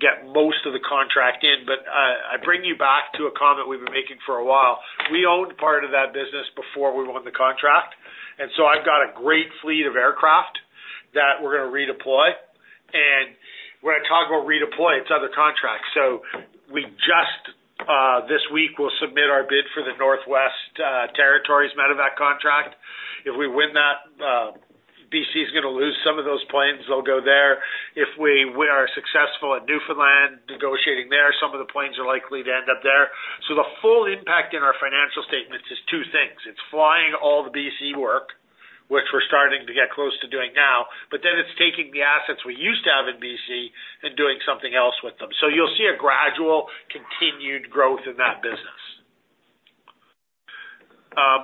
[SPEAKER 2] get most of the contract in. But, I bring you back to a comment we've been making for a while. We owned part of that business before we won the contract, and so I've got a great fleet of aircraft that we're gonna redeploy. And when I talk about redeploy, it's other contracts. So we just, this week, will submit our bid for the Northwest Territories Medevac contract. If we win that, BC is gonna lose some of those planes. They'll go there. If we are successful at Newfoundland, negotiating there, some of the planes are likely to end up there. So the full impact in our financial statements is two things: It's flying all the BC work, which we're starting to get close to doing now, but then it's taking the assets we used to have in BC and doing something else with them. So you'll see a gradual continued growth in that business.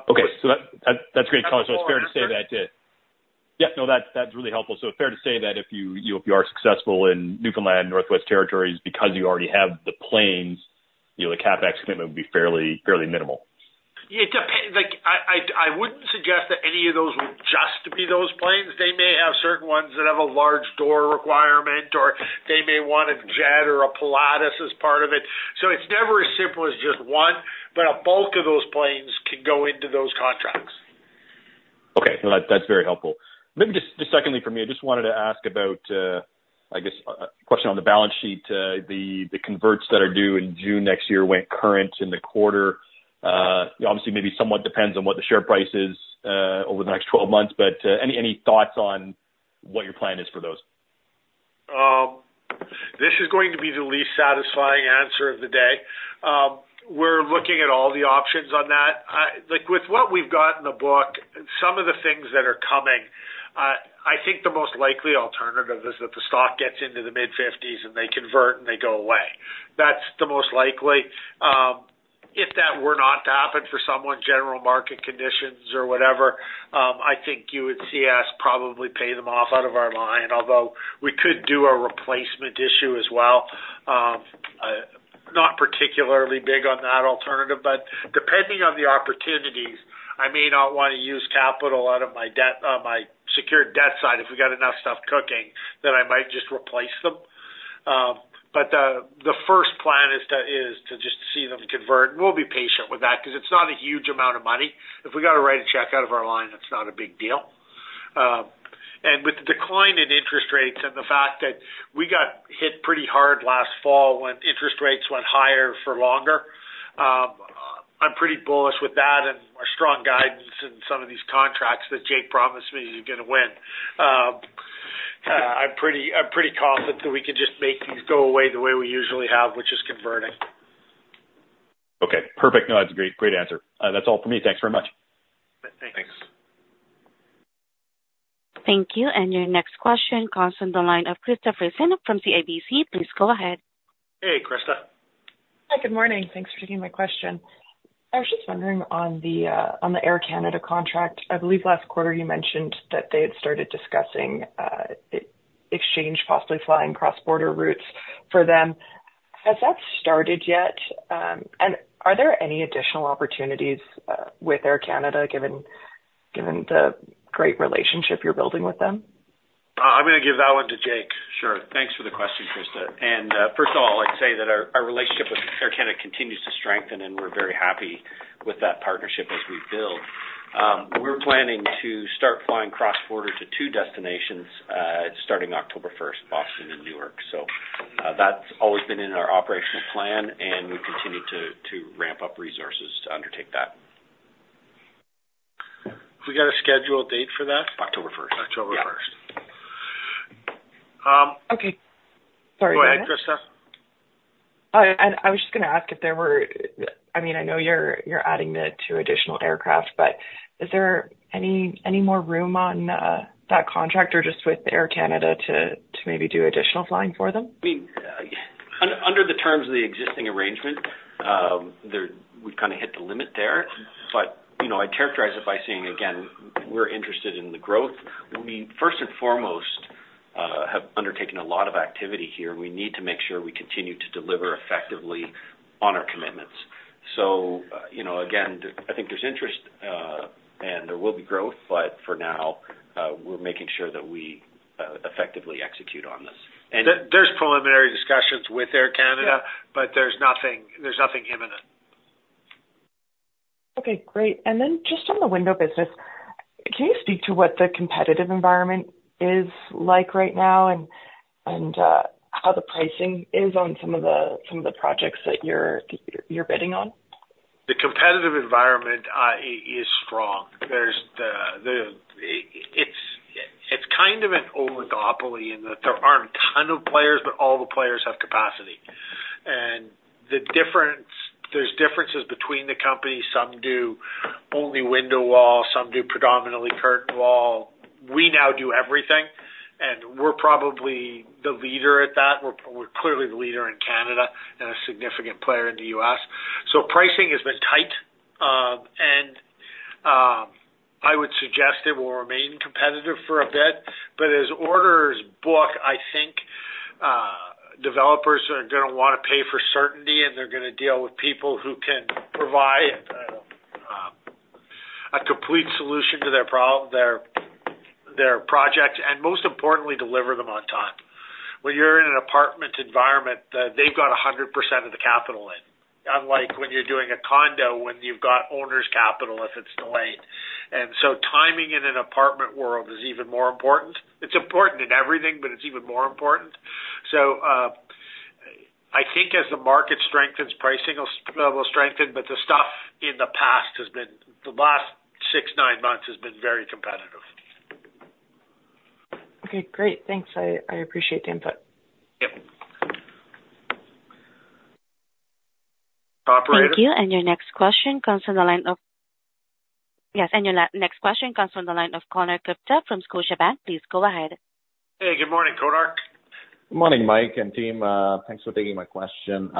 [SPEAKER 9] Okay, so that's great. So it's fair to say that. Yep. No, that's really helpful. So fair to say that if you are successful in Newfoundland, Northwest Territories, because you already have the planes, you know, the CapEx commitment would be fairly minimal.
[SPEAKER 2] It depends. Like I wouldn't suggest that any of those would just be those planes. They may have certain ones that have a large door requirement, or they may want a jet or a Pilatus as part of it. So it's never as simple as just one, but a bulk of those planes can go into those contracts.
[SPEAKER 9] Okay, no, that, that's very helpful. Maybe just, just secondly for me, I just wanted to ask about, I guess, a question on the balance sheet. The, the converts that are due in June next year went current in the quarter. Obviously, maybe somewhat depends on what the share price is, over the next 12 months, but, any, any thoughts on what your plan is for those?
[SPEAKER 2] This is going to be the least satisfying answer of the day. We're looking at all the options on that. Like, with what we've got in the book, some of the things that are coming, I think the most likely alternative is that the stock gets into the mid-fifties, and they convert, and they go away. That's the most likely. If that were not to happen for somewhat general market conditions or whatever, I think you would see us probably pay them off out of our line, although we could do a replacement issue as well. Not particularly big on that alternative, but depending on the opportunities, I may not want to use capital out of my debt, on my secured debt side. If we got enough stuff cooking, then I might just replace them. But the first plan is to just see them convert, and we'll be patient with that because it's not a huge amount of money. If we got to write a check out of our line, that's not a big deal. And with the decline in interest rates and the fact that we got hit pretty hard last fall when interest rates went higher for longer, I'm pretty bullish with that and our strong guidance in some of these contracts that Jake promised me he's gonna win. I'm pretty confident that we can just make these go away the way we usually have, which is converting.
[SPEAKER 9] Okay, perfect. No, that's a great, great answer. That's all for me. Thanks very much.
[SPEAKER 2] Thanks.
[SPEAKER 1] Thank you. And your next question comes from the line of Krista Friesen from CIBC. Please go ahead.
[SPEAKER 2] Hey, Krista.
[SPEAKER 10] Hi, good morning. Thanks for taking my question. I was just wondering on the, on the Air Canada contract, I believe last quarter you mentioned that they had started discussing, exchange, possibly flying cross-border routes for them. Has that started yet? And are there any additional opportunities, with Air Canada, given, given the great relationship you're building with them? ...
[SPEAKER 2] I'm gonna give that one to Jake.
[SPEAKER 4] Sure. Thanks for the question, Krista. And, first of all, I'd say that our, our relationship with Air Canada continues to strengthen, and we're very happy with that partnership as we build. We're planning to start flying cross border to two destinations, starting October 1st, Boston and New York. So, that's always been in our operational plan, and we continue to, to ramp up resources to undertake that.
[SPEAKER 10] Have we got a scheduled date for that?
[SPEAKER 4] October 1st.
[SPEAKER 2] October 1st.
[SPEAKER 4] Yeah.
[SPEAKER 2] Um-
[SPEAKER 10] Okay. Sorry, go ahead.
[SPEAKER 2] Go ahead, Krista.
[SPEAKER 10] Oh, I was just gonna ask if there were—I mean, I know you're adding the two additional aircraft, but is there any more room on that contract or just with Air Canada to maybe do additional flying for them?
[SPEAKER 4] I mean, under the terms of the existing arrangement, there, we've kind of hit the limit there. But, you know, I'd characterize it by saying, again, we're interested in the growth. We first and foremost have undertaken a lot of activity here, and we need to make sure we continue to deliver effectively on our commitments. So, you know, again, I think there's interest, and there will be growth, but for now, we're making sure that we effectively execute on this. And-
[SPEAKER 2] There's preliminary discussions with Air Canada.
[SPEAKER 4] Yeah.
[SPEAKER 2] But there's nothing, there's nothing imminent.
[SPEAKER 10] Okay, great. And then just on the window business, can you speak to what the competitive environment is like right now, and how the pricing is on some of the projects that you're bidding on?
[SPEAKER 2] The competitive environment is strong. It's kind of an oligopoly in that there aren't a ton of players, but all the players have capacity. And the difference, there's differences between the companies. Some do only window wall, some do predominantly curtain wall. We now do everything, and we're probably the leader at that. We're clearly the leader in Canada and a significant player in the U.S. So pricing has been tight, and I would suggest it will remain competitive for a bit. But as orders book, I think developers are gonna wanna pay for certainty, and they're gonna deal with people who can provide a complete solution to their problem, their projects, and most importantly, deliver them on time. When you're in an apartment environment, they've got 100% of the capital in, unlike when you're doing a condo, when you've got owner's capital, if it's delayed. And so timing in an apartment world is even more important. It's important in everything, but it's even more important. So, I think as the market strengthens, pricing will, will strengthen, but the stuff in the past has been... the last 6-9 months has been very competitive.
[SPEAKER 10] Okay, great. Thanks. I appreciate the input.
[SPEAKER 2] Yep. Operator?
[SPEAKER 1] Thank you. And your next question comes from the line of... Yes, and your next question comes from the line of Konark Gupta from Scotiabank. Please go ahead.
[SPEAKER 2] Hey, good morning, Konark.
[SPEAKER 11] Good morning, Mike and team. Thanks for taking my question.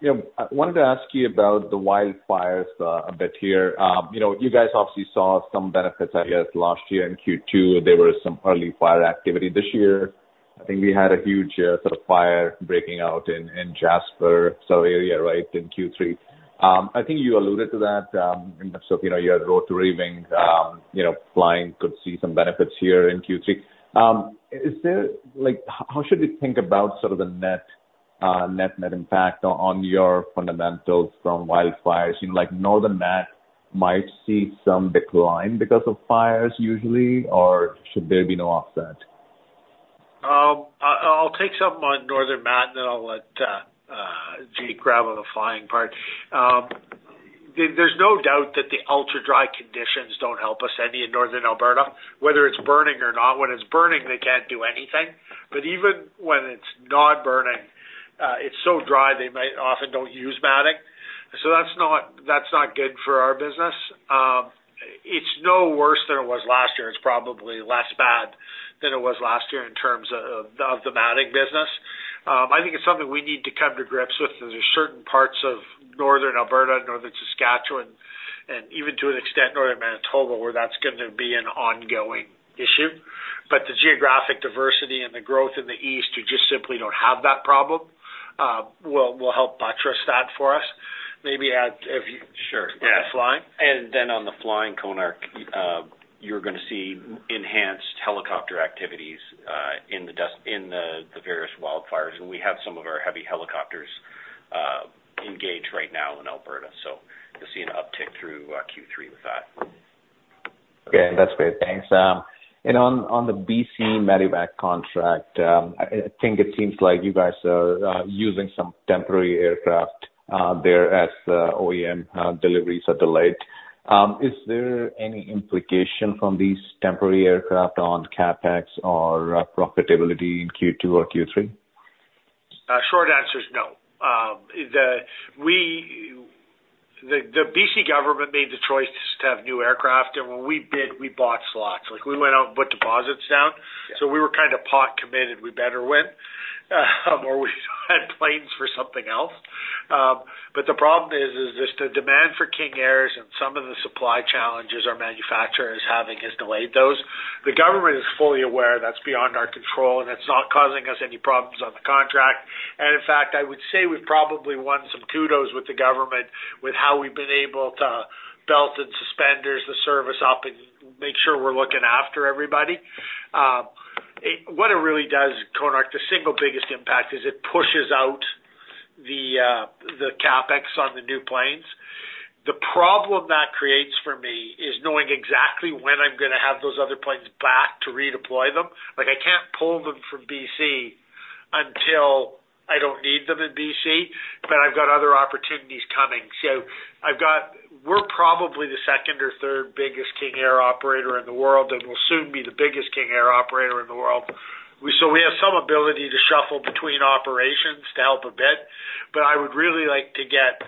[SPEAKER 11] You know, I wanted to ask you about the wildfires, a bit here. You know, you guys obviously saw some benefits, I guess, last year in Q2, there were some early fire activity this year. I think we had a huge, sort of, fire breaking out in Jasper, Alberta, right, in Q3. I think you alluded to that, so you know, you had rotor and fixed-wing flying could see some benefits here in Q3. Is there like, how should we think about sort of the net impact on your fundamentals from wildfires? You know, like Northern Mat might see some decline because of fires usually, or should there be no offset?
[SPEAKER 2] I'll take some on Northern Mat, and then I'll let Jake grab on the flying part. There's no doubt that the ultra-dry conditions don't help us any in northern Alberta, whether it's burning or not. When it's burning, they can't do anything, but even when it's not burning, it's so dry they might often don't use matting. So that's not good for our business. It's no worse than it was last year. It's probably less bad than it was last year in terms of the matting business. I think it's something we need to come to grips with. There's certain parts of northern Alberta, northern Saskatchewan, and even to an extent, northern Manitoba, where that's going to be an ongoing issue. But the geographic diversity and the growth in the east, you just simply don't have that problem, will help buttress that for us. Maybe add, if you-
[SPEAKER 4] Sure.
[SPEAKER 2] On the flying.
[SPEAKER 4] Then on the flying, Konark, you're gonna see enhanced helicopter activities in the various wildfires. And we have some of our heavy helicopters engaged right now in Alberta, so you'll see an uptick through Q3 with that.
[SPEAKER 11] Okay. That's great. Thanks. And on the BC Medevac contract, I think it seems like you guys are using some temporary aircraft there as OEM deliveries are delayed. Is there any implication from these temporary aircraft on CapEx or profitability in Q2 or Q3?
[SPEAKER 2] Short answer is no. The BC government made the choice to have new aircraft, and when we bid, we bought slots. Like, we went out and put deposits down.
[SPEAKER 4] Yeah.
[SPEAKER 2] So we were kind of pot committed, we better win, or we had planes for something else. But the problem is just the demand for King Airs and some of the supply challenges our manufacturer is having has delayed those. The government is fully aware that's beyond our control, and it's not causing us any problems on the contract. And in fact, I would say we've probably won some kudos with the government with how we've been able to belt and suspenders the service up and make sure we're looking after everybody. What it really does, Konark, the single biggest impact is it pushes out the CapEx on the new planes. The problem that creates for me is knowing exactly when I'm gonna have those other planes back to redeploy them. Like, I can't pull them from BC until I don't need them in BC, but I've got other opportunities coming. So I've got—we're probably the second or third biggest King Air operator in the world, and we'll soon be the biggest King Air operator in the world. We—so we have some ability to shuffle between operations to help a bit, but I would really like to get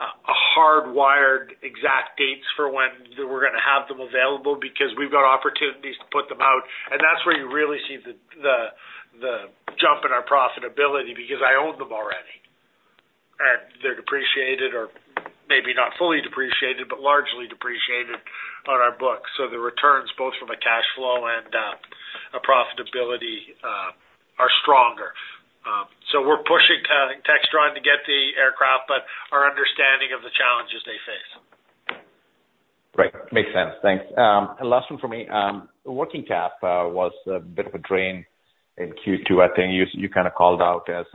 [SPEAKER 2] a hardwired exact dates for when we're gonna have them available, because we've got opportunities to put them out, and that's where you really see the jump in our profitability, because I own them already, and they're depreciated or maybe not fully depreciated, but largely depreciated on our books. So the returns, both from a cash flow and a profitability, are stronger. We're pushing Textron to get the aircraft, but our understanding of the challenges they face.
[SPEAKER 11] Great. Makes sense. Thanks. Last one for me. Working cap was a bit of a drain in Q2. I think you kind of called out as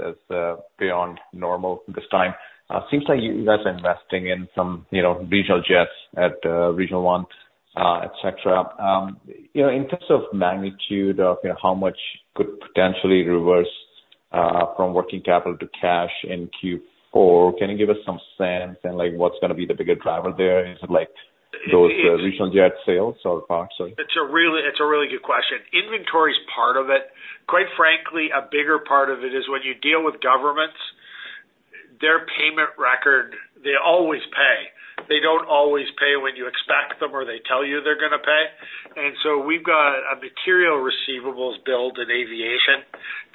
[SPEAKER 11] beyond normal this time. Seems like you guys are investing in some, you know, regional jets at Regional One, et cetera. You know, in terms of magnitude of, you know, how much could potentially reverse from working capital to cash in Q4, can you give us some sense and, like, what's gonna be the bigger driver there? Is it like those regional jet sales or parts?
[SPEAKER 2] It's a really, it's a really good question. Inventory is part of it. Quite frankly, a bigger part of it is when you deal with governments, their payment record, they always pay. They don't always pay when you expect them or they tell you they're gonna pay. And so we've got a material receivables build in aviation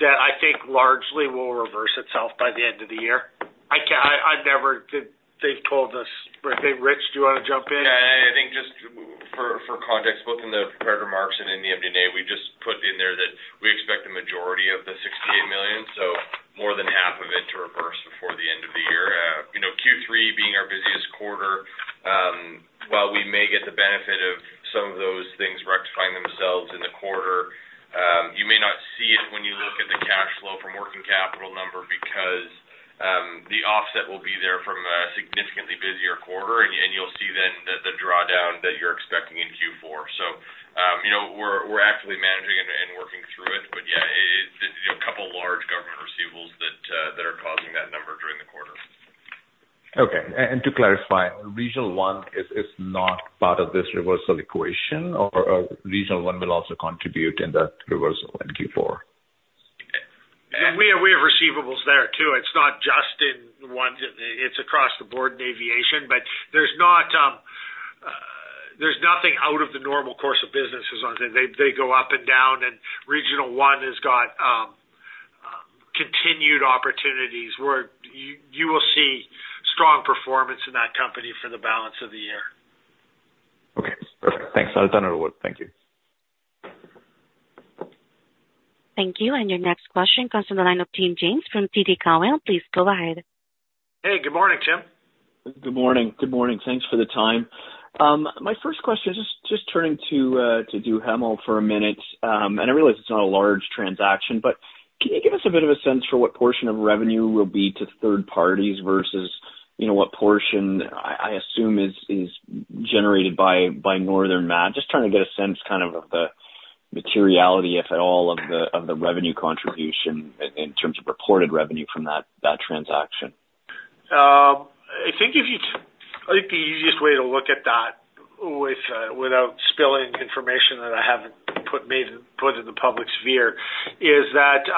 [SPEAKER 2] that I think largely will reverse itself by the end of the year. I, I've never... They've told us, I think, Rich, do you want to jump in?
[SPEAKER 3] Yeah, I think just for context, both in the prepared remarks and in the MD&A, we just put in there that we expect the majority of 68 million, so more than half of it, to reverse before the end of the year. You know, Q3 being our busiest quarter, while we may get the benefit of some of those things rectifying themselves in the quarter, you may not see it when you look at the cash flow from working capital number because the offset will be there from a significantly busier quarter, and you'll see then the drawdown that you're expecting in Q4. So, you know, we're actively managing and working through it. But yeah, it, you know, a couple of large government receivables that are causing that number during the quarter.
[SPEAKER 11] Okay. And to clarify, Regional One is not part of this reversal equation or Regional One will also contribute in that reversal in Q4?
[SPEAKER 2] We have, we have receivables there, too. It's not just in one. It's across the board in aviation, but there's not, there's nothing out of the normal course of business as long as they, they go up and down, and Regional One has got continued opportunities where you, you will see strong performance in that company for the balance of the year.
[SPEAKER 11] Okay, perfect. Thanks, I'll turn it over. Thank you.
[SPEAKER 1] Thank you, and your next question comes from the line of Tim James from TD Cowen. Please go ahead.
[SPEAKER 2] Hey, good morning, Tim.
[SPEAKER 12] Good morning. Good morning. Thanks for the time. My first question is just turning to Duhamel for a minute. And I realize it's not a large transaction, but can you give us a bit of a sense for what portion of revenue will be to third parties versus, you know, what portion I assume is generated by Northern Mat? Just trying to get a sense kind of the materiality, if at all, of the revenue contribution in terms of reported revenue from that transaction.
[SPEAKER 2] I think if you... I think the easiest way to look at that with, without spilling information that I haven't put maybe- put in the public sphere, is that,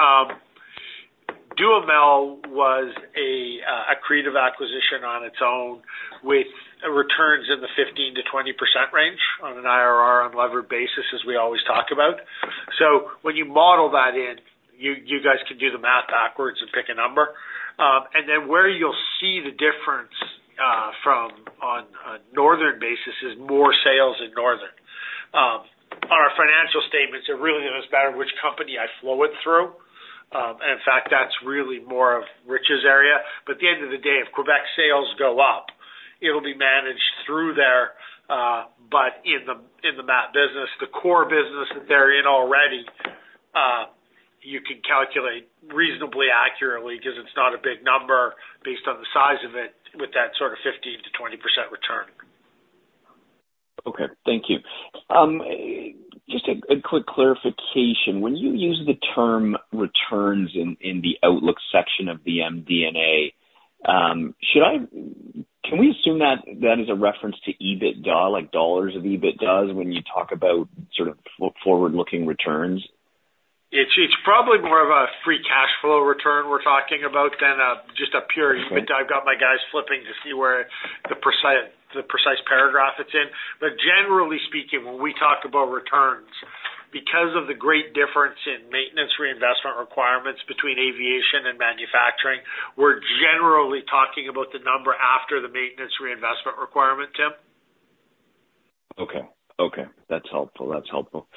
[SPEAKER 2] Duhamel was a, accretive acquisition on its own, with returns in the 15%-20% range on an IRR on levered basis, as we always talk about. So when you model that in, you, you guys can do the math backwards and pick a number. And then where you'll see the difference, from on a Northern basis is more sales in Northern. On our financial statements, it really doesn't matter which company I flow it through. And in fact, that's really more of Rich's area. But at the end of the day, if Quebec sales go up, it'll be managed through there, but in the mat business, the core business that they're in already, you can calculate reasonably accurately, because it's not a big number based on the size of it, with that sort of 15%-20% return.
[SPEAKER 12] Okay. Thank you. Just a quick clarification. When you use the term returns in the outlook section of the MD&A, can we assume that that is a reference to EBITDA, like dollars of EBITDAs, when you talk about sort of forward-looking returns?
[SPEAKER 2] It's probably more of a free cash flow return we're talking about than just a pure... I've got my guys flipping to see where the precise paragraph it's in. But generally speaking, when we talk about returns, because of the great difference in maintenance reinvestment requirements between aviation and manufacturing, we're generally talking about the number after the maintenance reinvestment requirement, Tim.
[SPEAKER 12] Okay. Okay, that's helpful. That's helpful.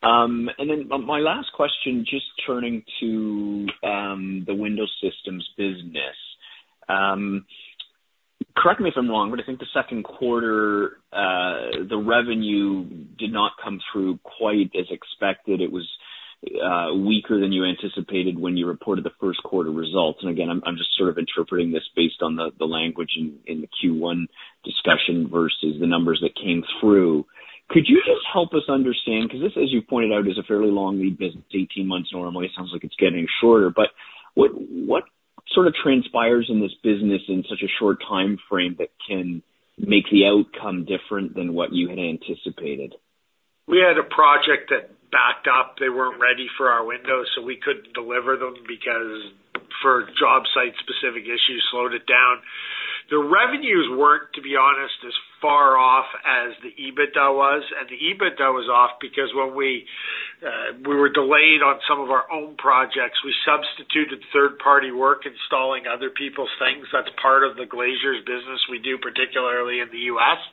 [SPEAKER 12] And then my, my last question, just turning to, the window systems business—Correct me if I'm wrong, but I think the second quarter, the revenue did not come through quite as expected. It was, weaker than you anticipated when you reported the first quarter results. And again, I'm, I'm just sort of interpreting this based on the, the language in, in the Q1 discussion versus the numbers that came through. Could you just help us understand? 'Cause this, as you pointed out, is a fairly long lead business, 18 months normally. It sounds like it's getting shorter, but what, what sort of transpires in this business in such a short timeframe that can make the outcome different than what you had anticipated?
[SPEAKER 2] We had a project that backed up. They weren't ready for our window, so we couldn't deliver them because for job site-specific issues, slowed it down. The revenues weren't, to be honest, as far off as the EBITDA was, and the EBITDA was off because when we, we were delayed on some of our own projects, we substituted third-party work, installing other people's things. That's part of the glaziers business we do, particularly in the U.S.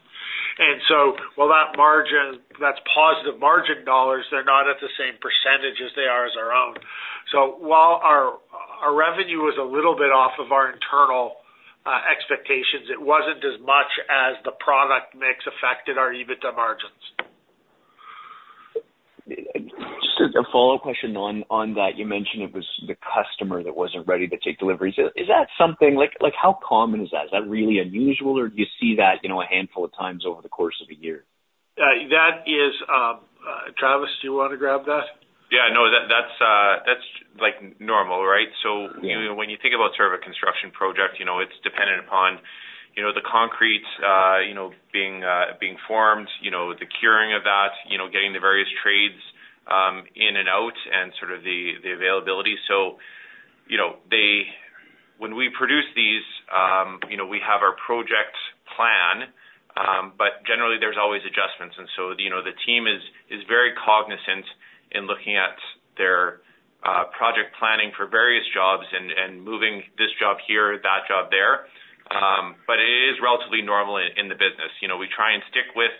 [SPEAKER 2] And so while that margin... That's positive margin dollars, they're not at the same percentage as they are as our own. So while our, our revenue is a little bit off of our internal, expectations, it wasn't as much as the product mix affected our EBITDA margins.
[SPEAKER 12] Just a follow-up question on that. You mentioned it was the customer that wasn't ready to take deliveries. Is that something like, how common is that? Is that really unusual, or do you see that, you know, a handful of times over the course of a year?
[SPEAKER 2] That is, Travis, do you want to grab that?
[SPEAKER 5] Yeah, no, that, that's, that's like normal, right?
[SPEAKER 2] Yeah.
[SPEAKER 5] So when you think about sort of a construction project, you know, it's dependent upon, you know, the concrete, you know, being formed, you know, the curing of that, you know, getting the various trades in and out and sort of the availability. So, you know, they—when we produce these, you know, we have our project plan, but generally, there's always adjustments. And so, you know, the team is very cognizant in looking at their project planning for various jobs and moving this job here, that job there. But it is relatively normal in the business. You know, we try and stick with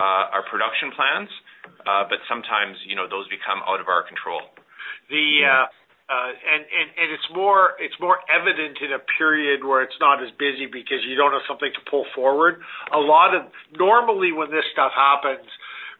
[SPEAKER 5] our production plans, but sometimes, you know, those become out of our control.
[SPEAKER 2] It's more evident in a period where it's not as busy because you don't have something to pull forward. A lot of... Normally, when this stuff happens,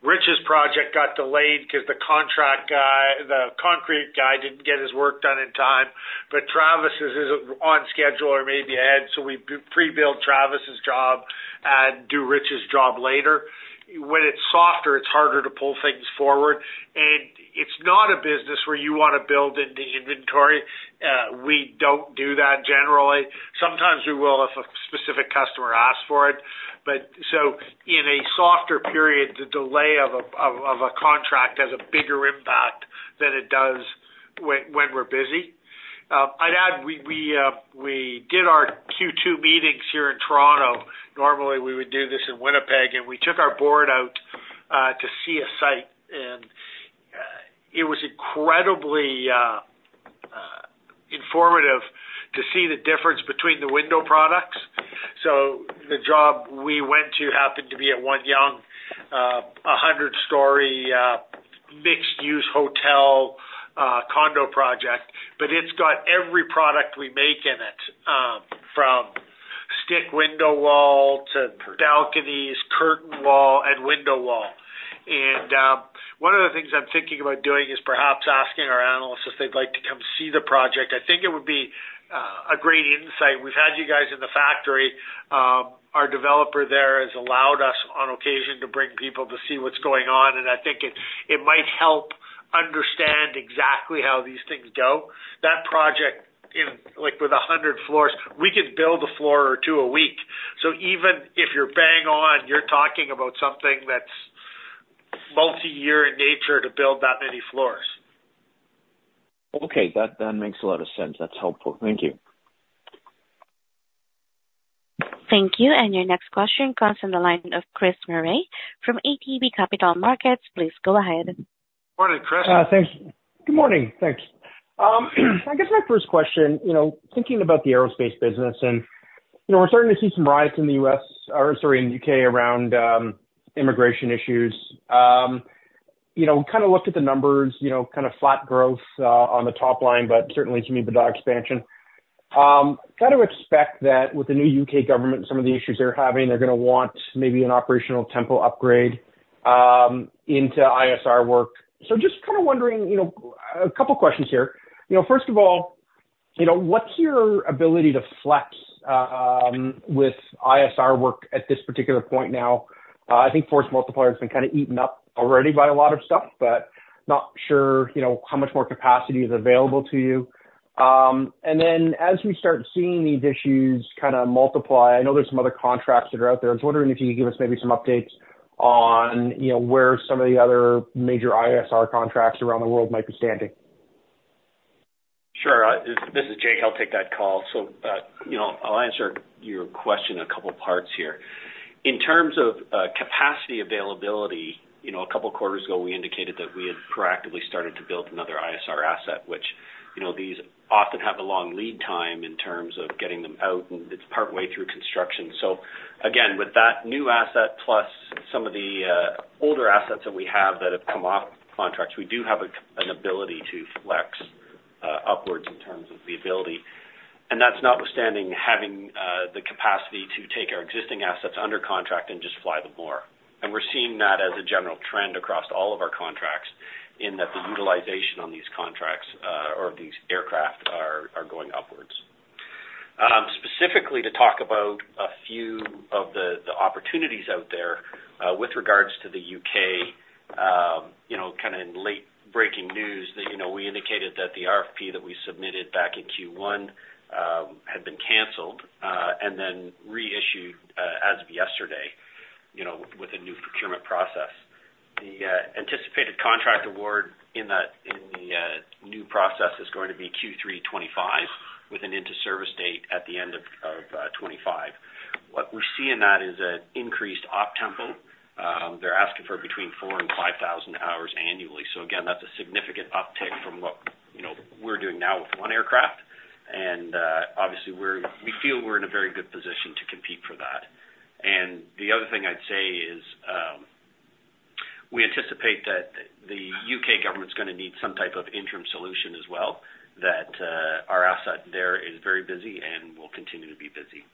[SPEAKER 2] Rich's project got delayed because the contract guy, the concrete guy, didn't get his work done in time, but Travis's is on schedule or maybe ahead, so we pre-build Travis's job and do Rich's job later. When it's softer, it's harder to pull things forward, and it's not a business where you want to build in the inventory. We don't do that generally. Sometimes we will, if a specific customer asks for it. But so in a softer period, the delay of a contract has a bigger impact than it does when we're busy. I'd add, we did our Q2 meetings here in Toronto. Normally, we would do this in Winnipeg, and we took our board out to see a site, and it was incredibly informative to see the difference between the window products. So the job we went to happened to be at One Yonge, a 100-story mixed-use hotel condo project, but it's got every product we make in it, from stick window wall to balconies, curtain wall and window wall. And one of the things I'm thinking about doing is perhaps asking our analysts if they'd like to come see the project. I think it would be a great insight. We've had you guys in the factory. Our developer there has allowed us on occasion to bring people to see what's going on, and I think it might help understand exactly how these things go. That project, like with 100 floors, we can build a floor or 2 a week. So even if you're bang on, you're talking about something that's multi-year in nature to build that many floors.
[SPEAKER 12] Okay, that makes a lot of sense. That's helpful. Thank you.
[SPEAKER 1] Thank you. And your next question comes from the line of Chris Murray from ATB Capital Markets. Please go ahead.
[SPEAKER 2] Morning, Chris.
[SPEAKER 13] Thanks. Good morning. Thanks. I guess my first question, you know, thinking about the aerospace business, and, you know, we're starting to see some riots in the US, or sorry, in the UK, around immigration issues. You know, kind of looked at the numbers, you know, kind of flat growth on the top line, but certainly some EBITDA expansion. Kind of expect that with the new UK government, some of the issues they're having, they're gonna want maybe an operational tempo upgrade into ISR work. So just kind of wondering, you know, a couple of questions here. You know, first of all, you know, what's your ability to flex with ISR work at this particular point now? I think force multiplier has been kind of eaten up already by a lot of stuff, but not sure, you know, how much more capacity is available to you. And then as we start seeing these issues kind of multiply, I know there's some other contracts that are out there. I was wondering if you could give us maybe some updates on, you know, where some of the other major ISR contracts around the world might be standing.
[SPEAKER 4] Sure. This is Jake. I'll take that call. So, you know, I'll answer your question a couple of parts here. In terms of capacity availability, you know, a couple of quarters ago, we indicated that we had proactively started to build another ISR asset, which, you know, these often have a long lead time in terms of getting them out, and it's partway through construction. So again, with that new asset, plus some of the older assets that we have that have come off contracts, we do have an ability to flex.... upwards in terms of the ability. And that's notwithstanding having the capacity to take our existing assets under contract and just fly them more. And we're seeing that as a general trend across all of our contracts, in that the utilization on these contracts or these aircraft are going upwards. Specifically to talk about a few of the opportunities out there with regards to the UK, you know, kind of in late breaking news that, you know, we indicated that the RFP that we submitted back in Q1 had been canceled and then reissued as of yesterday, you know, with a new procurement process. The anticipated contract award in that, in the new process is going to be Q3 2025, with an into service date at the end of 2025. What we see in that is an increased op tempo. They're asking for between 4 and 5,000 hours annually. So again, that's a significant uptick from what, you know, we're doing now with 1 aircraft. And obviously, we feel we're in a very good position to compete for that. And the other thing I'd say is, we anticipate that the U.K. government's gonna need some type of interim solution as well, that our asset there is very busy and will continue to be busy.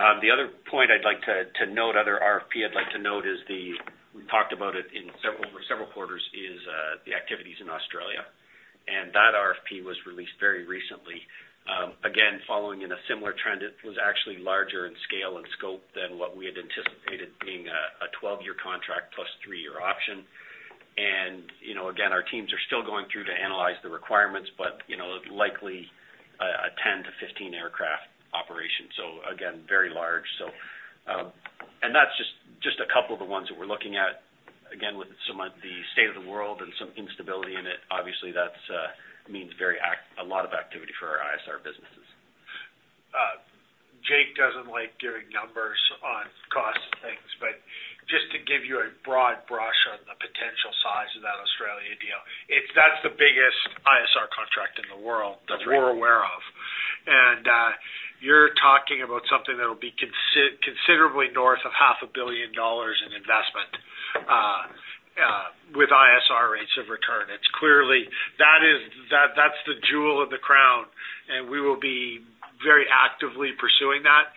[SPEAKER 4] The other point I'd like to note, other RFP I'd like to note is the... We talked about it in over several quarters, is the activities in Australia, and that RFP was released very recently. Again, following in a similar trend, it was actually larger in scale and scope than what we had anticipated being a 12-year contract plus three-year option. And, you know, again, our teams are still going through to analyze the requirements, but, you know, likely, a 10-15 aircraft operation. So again, very large. So, and that's just a couple of the ones that we're looking at. Again, with some of the state of the world and some instability in it, obviously, that's means very a lot of activity for our ISR businesses.
[SPEAKER 2] Jake doesn't like giving numbers on cost of things, but just to give you a broad brush on the potential size of that Australia deal, it's, that's the biggest ISR contract in the world-
[SPEAKER 4] That's right.
[SPEAKER 2] That we're aware of. You're talking about something that'll be considerably north of 500 million dollars in investment, with ISR rates of return. It's clearly... That is. That, that's the jewel in the crown, and we will be very actively pursuing that.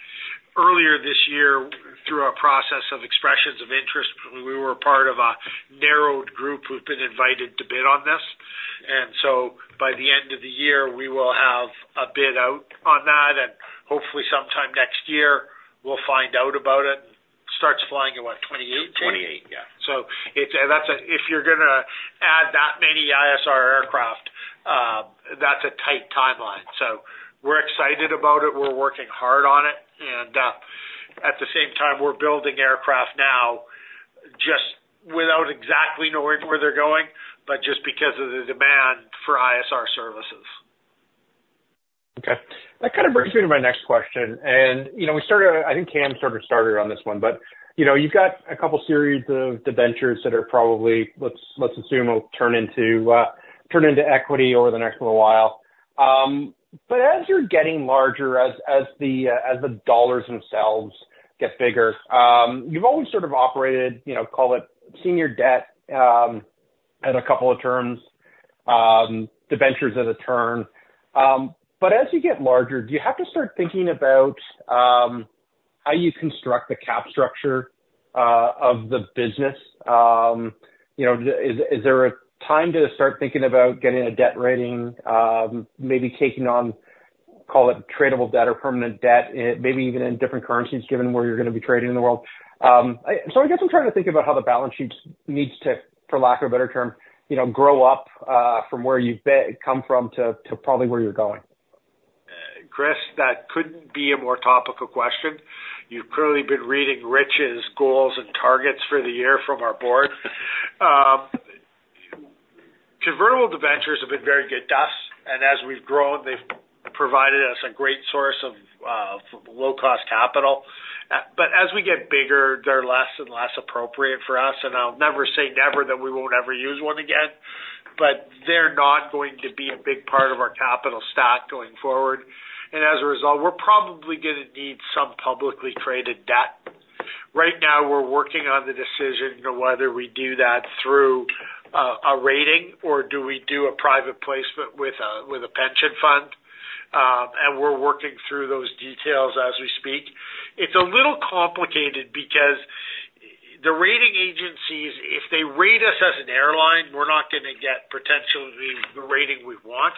[SPEAKER 2] Earlier this year, through our process of expressions of interest, we were a part of a narrowed group who've been invited to bid on this. And so by the end of the year, we will have a bid out on that, and hopefully sometime next year we'll find out about it. Starts flying in what? 2028?
[SPEAKER 4] Twenty-eight, yeah.
[SPEAKER 2] So it's, and that's a... If you're gonna add that many ISR aircraft, that's a tight timeline. So we're excited about it, we're working hard on it, and, at the same time, we're building aircraft now, just without exactly knowing where they're going, but just because of the demand for ISR services.
[SPEAKER 13] Okay. That kind of brings me to my next question. You know, we started, I think Cam sort of started on this one, but you know, you've got a couple series of debentures that are probably, let's assume will turn into equity over the next little while. But as you're getting larger, as the dollars themselves get bigger, you've always sort of operated, you know, call it senior debt at a couple of terms, debentures as a term. But as you get larger, do you have to start thinking about how you construct the capital structure of the business? You know, is there a time to start thinking about getting a debt rating, maybe taking on, call it tradable debt or permanent debt, maybe even in different currencies, given where you're gonna be trading in the world? So I guess I'm trying to think about how the balance sheets needs to, for lack of a better term, you know, grow up, from where you've become from to probably where you're going.
[SPEAKER 2] Chris, that couldn't be a more topical question. You've clearly been reading Rich's goals and targets for the year from our board. Convertible debentures have been very good to us, and as we've grown, they've provided us a great source of, low-cost capital. But as we get bigger, they're less and less appropriate for us, and I'll never say never that we won't ever use one again, but they're not going to be a big part of our capital stack going forward. And as a result, we're probably gonna need some publicly traded debt. Right now, we're working on the decision of whether we do that through, a rating, or do we do a private placement with a, with a pension fund. And we're working through those details as we speak. It's a little complicated because the rating agencies, if they rate us as an airline, we're not gonna get potentially the rating we want.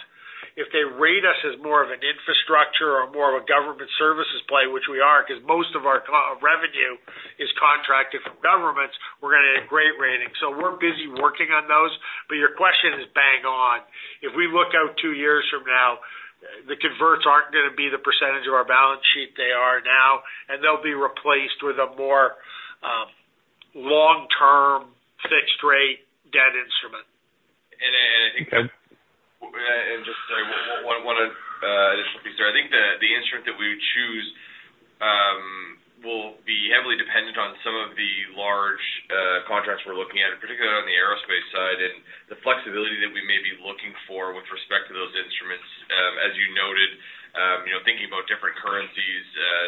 [SPEAKER 2] If they rate us as more of an infrastructure or more of a government services play, which we are, because most of our revenue is contracted from governments, we're gonna get a great rating. So we're busy working on those, but your question is bang on. If we look out two years from now, the converts aren't gonna be the percentage of our balance sheet they are now, and they'll be replaced with a more long-term, fixed rate debt instrument.
[SPEAKER 4] And I think-
[SPEAKER 13] Okay.
[SPEAKER 4] And just one additional piece there. I think the instrument that we would choose will be heavily dependent on some of the large contracts we're looking at, particularly on the aerospace side, and the flexibility that we may be looking for with respect to those instruments.... As you noted, you know, thinking about different currencies,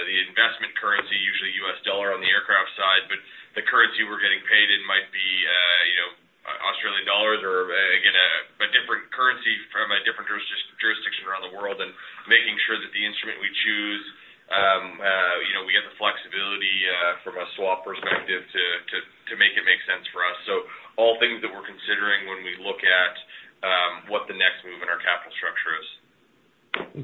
[SPEAKER 4] the investment currency, usually US dollar on the aircraft side, but the currency we're getting paid in might be, you know, Australian dollars or, again, a different currency from a different jurisdiction around the world, and making sure that the instrument we choose, you know, we get the flexibility, from a swap perspective to make it make sense for us. So all things that we're considering when we look at, what the next move in our capital structure is.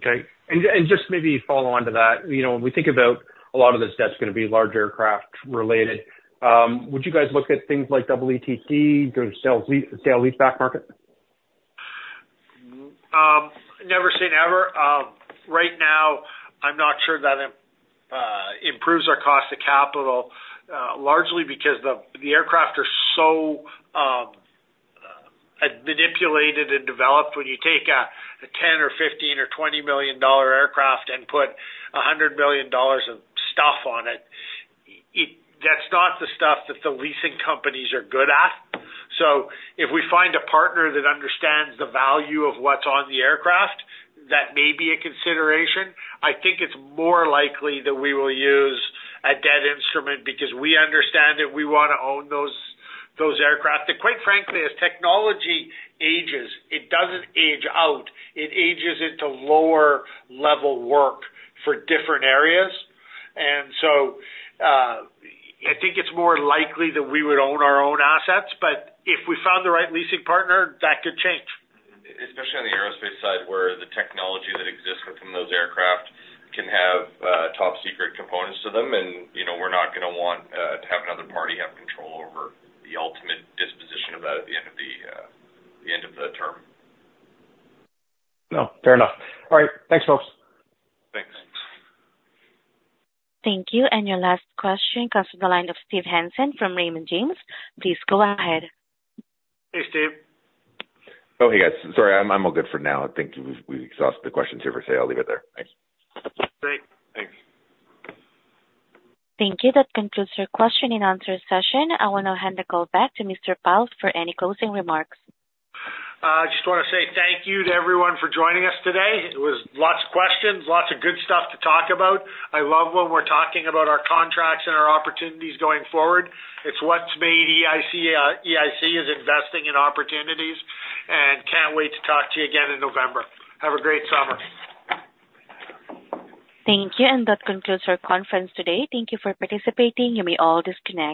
[SPEAKER 13] Okay. And just maybe follow on to that, you know, when we think about a lot of this debt's gonna be large aircraft related, would you guys look at things like EETC or sale lease, sale lease back market?
[SPEAKER 2] Never say never. Right now, I'm not sure that it improves our cost of capital, largely because the aircraft are so manipulated and developed. When you take a $10 million, $15 million, or $20 million aircraft and put $100 million of stuff on it, it. That's not the stuff that the leasing companies are good at. So if we find a partner that understands the value of what's on the aircraft, that may be a consideration. I think it's more likely that we will use a debt instrument because we understand that we wanna own those aircraft. That quite frankly, as technology ages, it doesn't age out, it ages into lower level work for different areas. I think it's more likely that we would own our own assets, but if we found the right leasing partner, that could change.
[SPEAKER 4] Especially on the aerospace side, where the technology that exists within those aircraft can have top secret components to them, and, you know, we're not gonna want to have another party have control over the ultimate disposition of that at the end of the term.
[SPEAKER 13] No, fair enough. All right. Thanks, folks.
[SPEAKER 2] Thanks.
[SPEAKER 1] Thank you. And your last question comes from the line of Steve Hansen from Raymond James. Please go ahead.
[SPEAKER 2] Hey, Steve.
[SPEAKER 6] Oh, hey, guys. Sorry, I'm all good for now. I think we've exhausted the questions here for the call. I'll leave it there. Thanks.
[SPEAKER 2] Great. Thanks.
[SPEAKER 1] Thank you. That concludes your question and answer session. I want to hand the call back to Mr. Pyle for any closing remarks.
[SPEAKER 2] I just wanna say thank you to everyone for joining us today. It was lots of questions, lots of good stuff to talk about. I love when we're talking about our contracts and our opportunities going forward. It's what's made EIC, EIC, is investing in opportunities, and can't wait to talk to you again in November. Have a great summer.
[SPEAKER 1] Thank you, and that concludes our conference today. Thank you for participating. You may all disconnect.